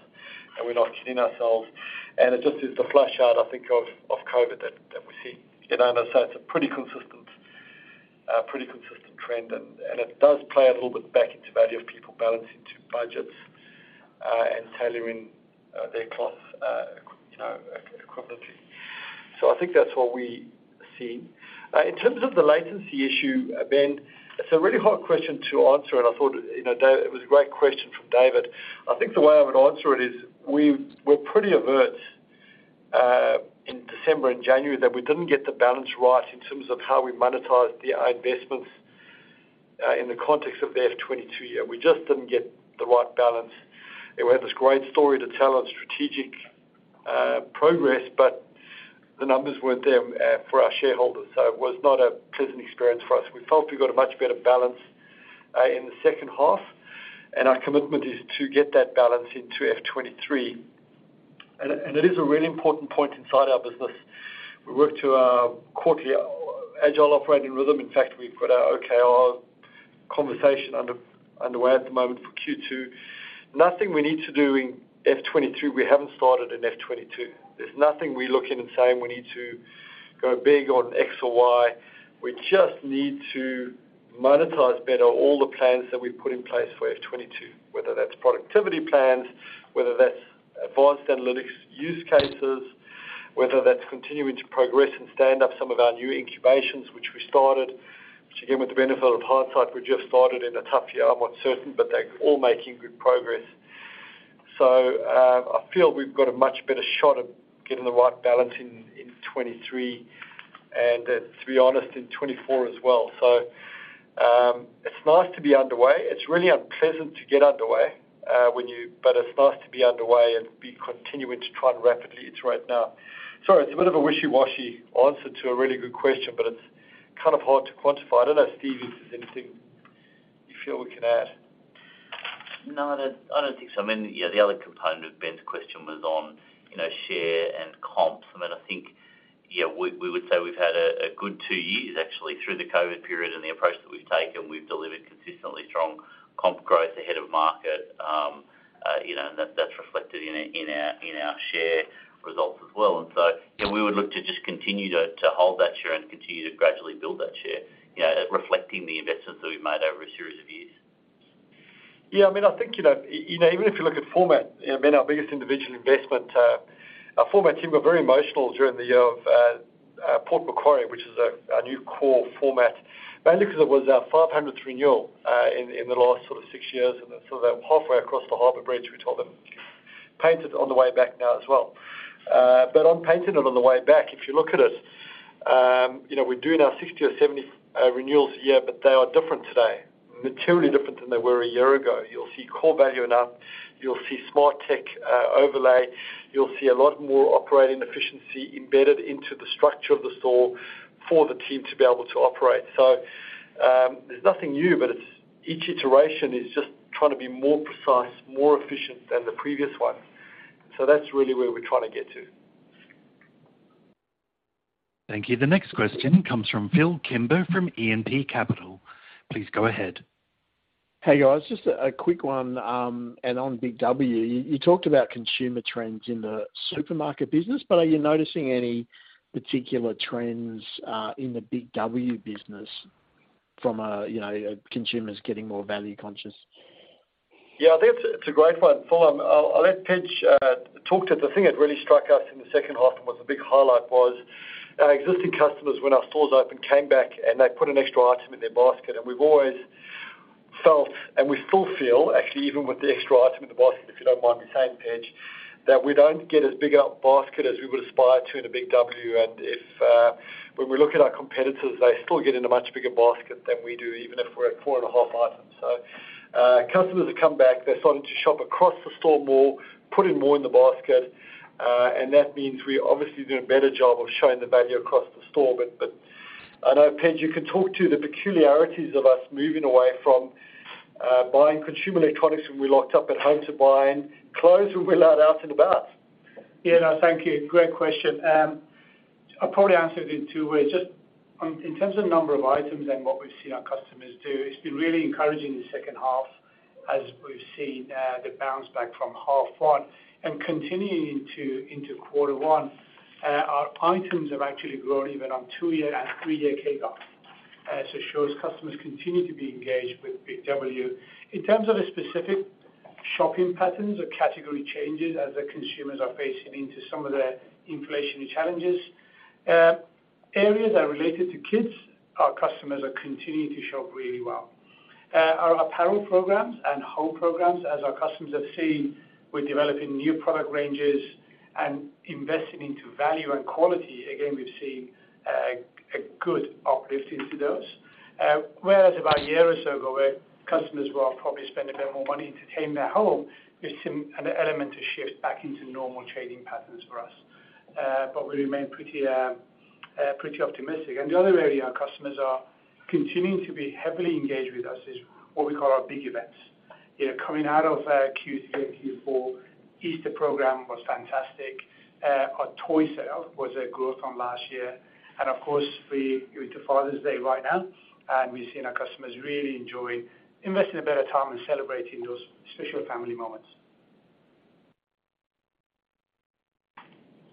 and we're not kidding ourselves. It just is the flush out, I think, of COVID that we see. You know? It's a pretty consistent trend and it does play a little bit back into value of people balancing their budgets and tailoring their basket, you know, accordingly. I think that's what we see. In terms of the latency issue, Ben, it's a really hard question to answer and I thought, you know, it was a great question from David. I think the way I would answer it is we're pretty aware in December and January that we didn't get the balance right in terms of how we monetized our investments in the context of the FY 2022 year. We just didn't get the right balance. We have this great story to tell on strategic progress, but the numbers weren't there for our shareholders. It was not a pleasant experience for us. We felt we got a much better balance in the second half, and our commitment is to get that balance into FY 2023. It is a really important point inside our business. We work to our quarterly agile operating rhythm. In fact, we've got our OKR conversation under way at the moment for Q2. Nothing we need to do in FY 2022 we haven't started in FY 2022. There's nothing we're looking at and saying we need to go big on X or Y. We just need to monetize better all the plans that we've put in place for FY 2022, whether that's productivity plans, whether that's advanced analytics use cases, whether that's continuing to progress and stand up some of our new incubations, which we started. Which again, with the benefit of hindsight, we just started in a tough year. I'm not certain, but they're all making good progress. I feel we've got a much better shot of getting the right balance in 2023 and, to be honest, in 2024 as well. It's nice to be underway. It's really unpleasant to get underway. It's nice to be underway and be continuing to try and rapidly iterate now. Sorry, it's a bit of a wishy-washy answer to a really good question, but it's kind of hard to quantify. I don't know if Steve, if there's anything you feel we can add. No, I don't, I don't think so. I mean, yeah, the other component of Ben's question was on, you know, share and comps. I mean, I think, yeah, we would say we've had a good two years actually through the COVID period and the approach that we've taken. We've delivered consistently strong comp growth ahead of market. You know, that's reflected in our share results as well. Yeah, we would look to just continue to hold that share and continue to gradually build that share, you know, reflecting the investments that we've made over a series of years. Yeah. I mean, I think, you know, even if you look at format, you know, Ben, our biggest individual investment, our format team were very emotional during the year of Port Macquarie, which is a new core format, mainly 'cause it was our 500th renewal, in the last sort of six years. They're halfway across the Harbour Bridge, we told them. Painted on the way back now as well. But on painting it on the way back, if you look at it, you know, we're doing our 60 or 70 renewals a year, but they are different today. Materially different than they were a year ago. You'll see core value add up, you'll see smart tech overlay, you'll see a lot more operating efficiency embedded into the structure of the store for the team to be able to operate. There's nothing new, but it's each iteration is just trying to be more precise, more efficient than the previous one. That's really where we're trying to get to. Thank you. The next question comes from Phillip Kimber from E&P Capital. Please go ahead. Hey, guys. Just a quick one on BIG W. You talked about consumer trends in the supermarket business, but are you noticing any particular trends in the BIG W business from, you know, consumers getting more value conscious? Yeah. I think it's a great one, Phil. I'll let Pej talk to the thing that really struck us in the second half and was a big highlight was our existing customers when our stores opened, came back and they put an extra item in their basket. We've always felt, and we still feel actually even with the extra item in the basket, if you don't mind me saying, Pej, that we don't get as big a basket as we would aspire to in a BIG W. When we look at our competitors, they still get in a much bigger basket than we do, even if we're at four and a half items. Customers have come back, they're starting to shop across the store more, putting more in the basket, and that means we're obviously doing a better job of showing the value across the store. I know Pej, you can talk to the peculiarities of us moving away from buying consumer electronics when we're locked up at home to buying clothes when we're allowed out and about. Yeah, no. Thank you. Great question. I'll probably answer it in two ways. Just on, in terms of number of items and what we've seen our customers do, it's been really encouraging in the second half as we've seen the bounce back from half one. Continuing into quarter one, our items have actually grown even on two-year and three-year CAGRs. So it shows customers continue to be engaged with BIG W. In terms of the specific shopping patterns or category changes as the consumers are facing into some of the inflationary challenges, areas that are related to kids, our customers are continuing to shop really well. Our apparel programs and home programs as our customers have seen, we're developing new product ranges and investing into value and quality. Again, we've seen a good uplift into those. Whereas about a year or so ago where customers were probably spending a bit more money to tame their home, we've seen an element of shift back into normal trading patterns for us. We remain pretty optimistic. The other area our customers are continuing to be heavily engaged with us is what we call our big events. You know, coming out of Q3 and Q4, Easter program was fantastic. Our toy sale was a growth on last year. Of course we're into Father's Day right now, and we've seen our customers really enjoy investing a bit of time in celebrating those special family moments.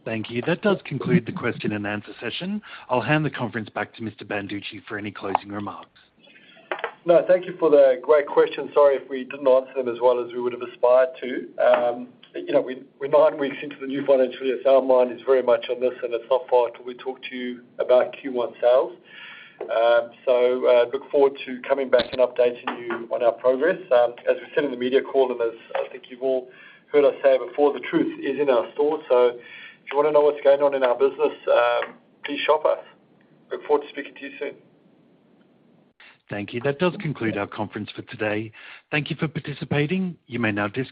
Thank you. That does conclude the question and answer session. I'll hand the conference back to Mr. Banducci for any closing remarks. No, thank you for the great questions. Sorry if we didn't answer them as well as we would've aspired to. You know, we're nine weeks into the new financial year. So our mind is very much on this, and it's not far till we talk to you about Q1 sales. So, look forward to coming back and updating you on our progress. As we said in the media call, and as I think you've all heard us say before, the truth is in our stores. So if you wanna know what's going on in our business, please shop us. Look forward to speaking to you soon. Thank you. That does conclude our conference for today. Thank you for participating. You may now disconnect.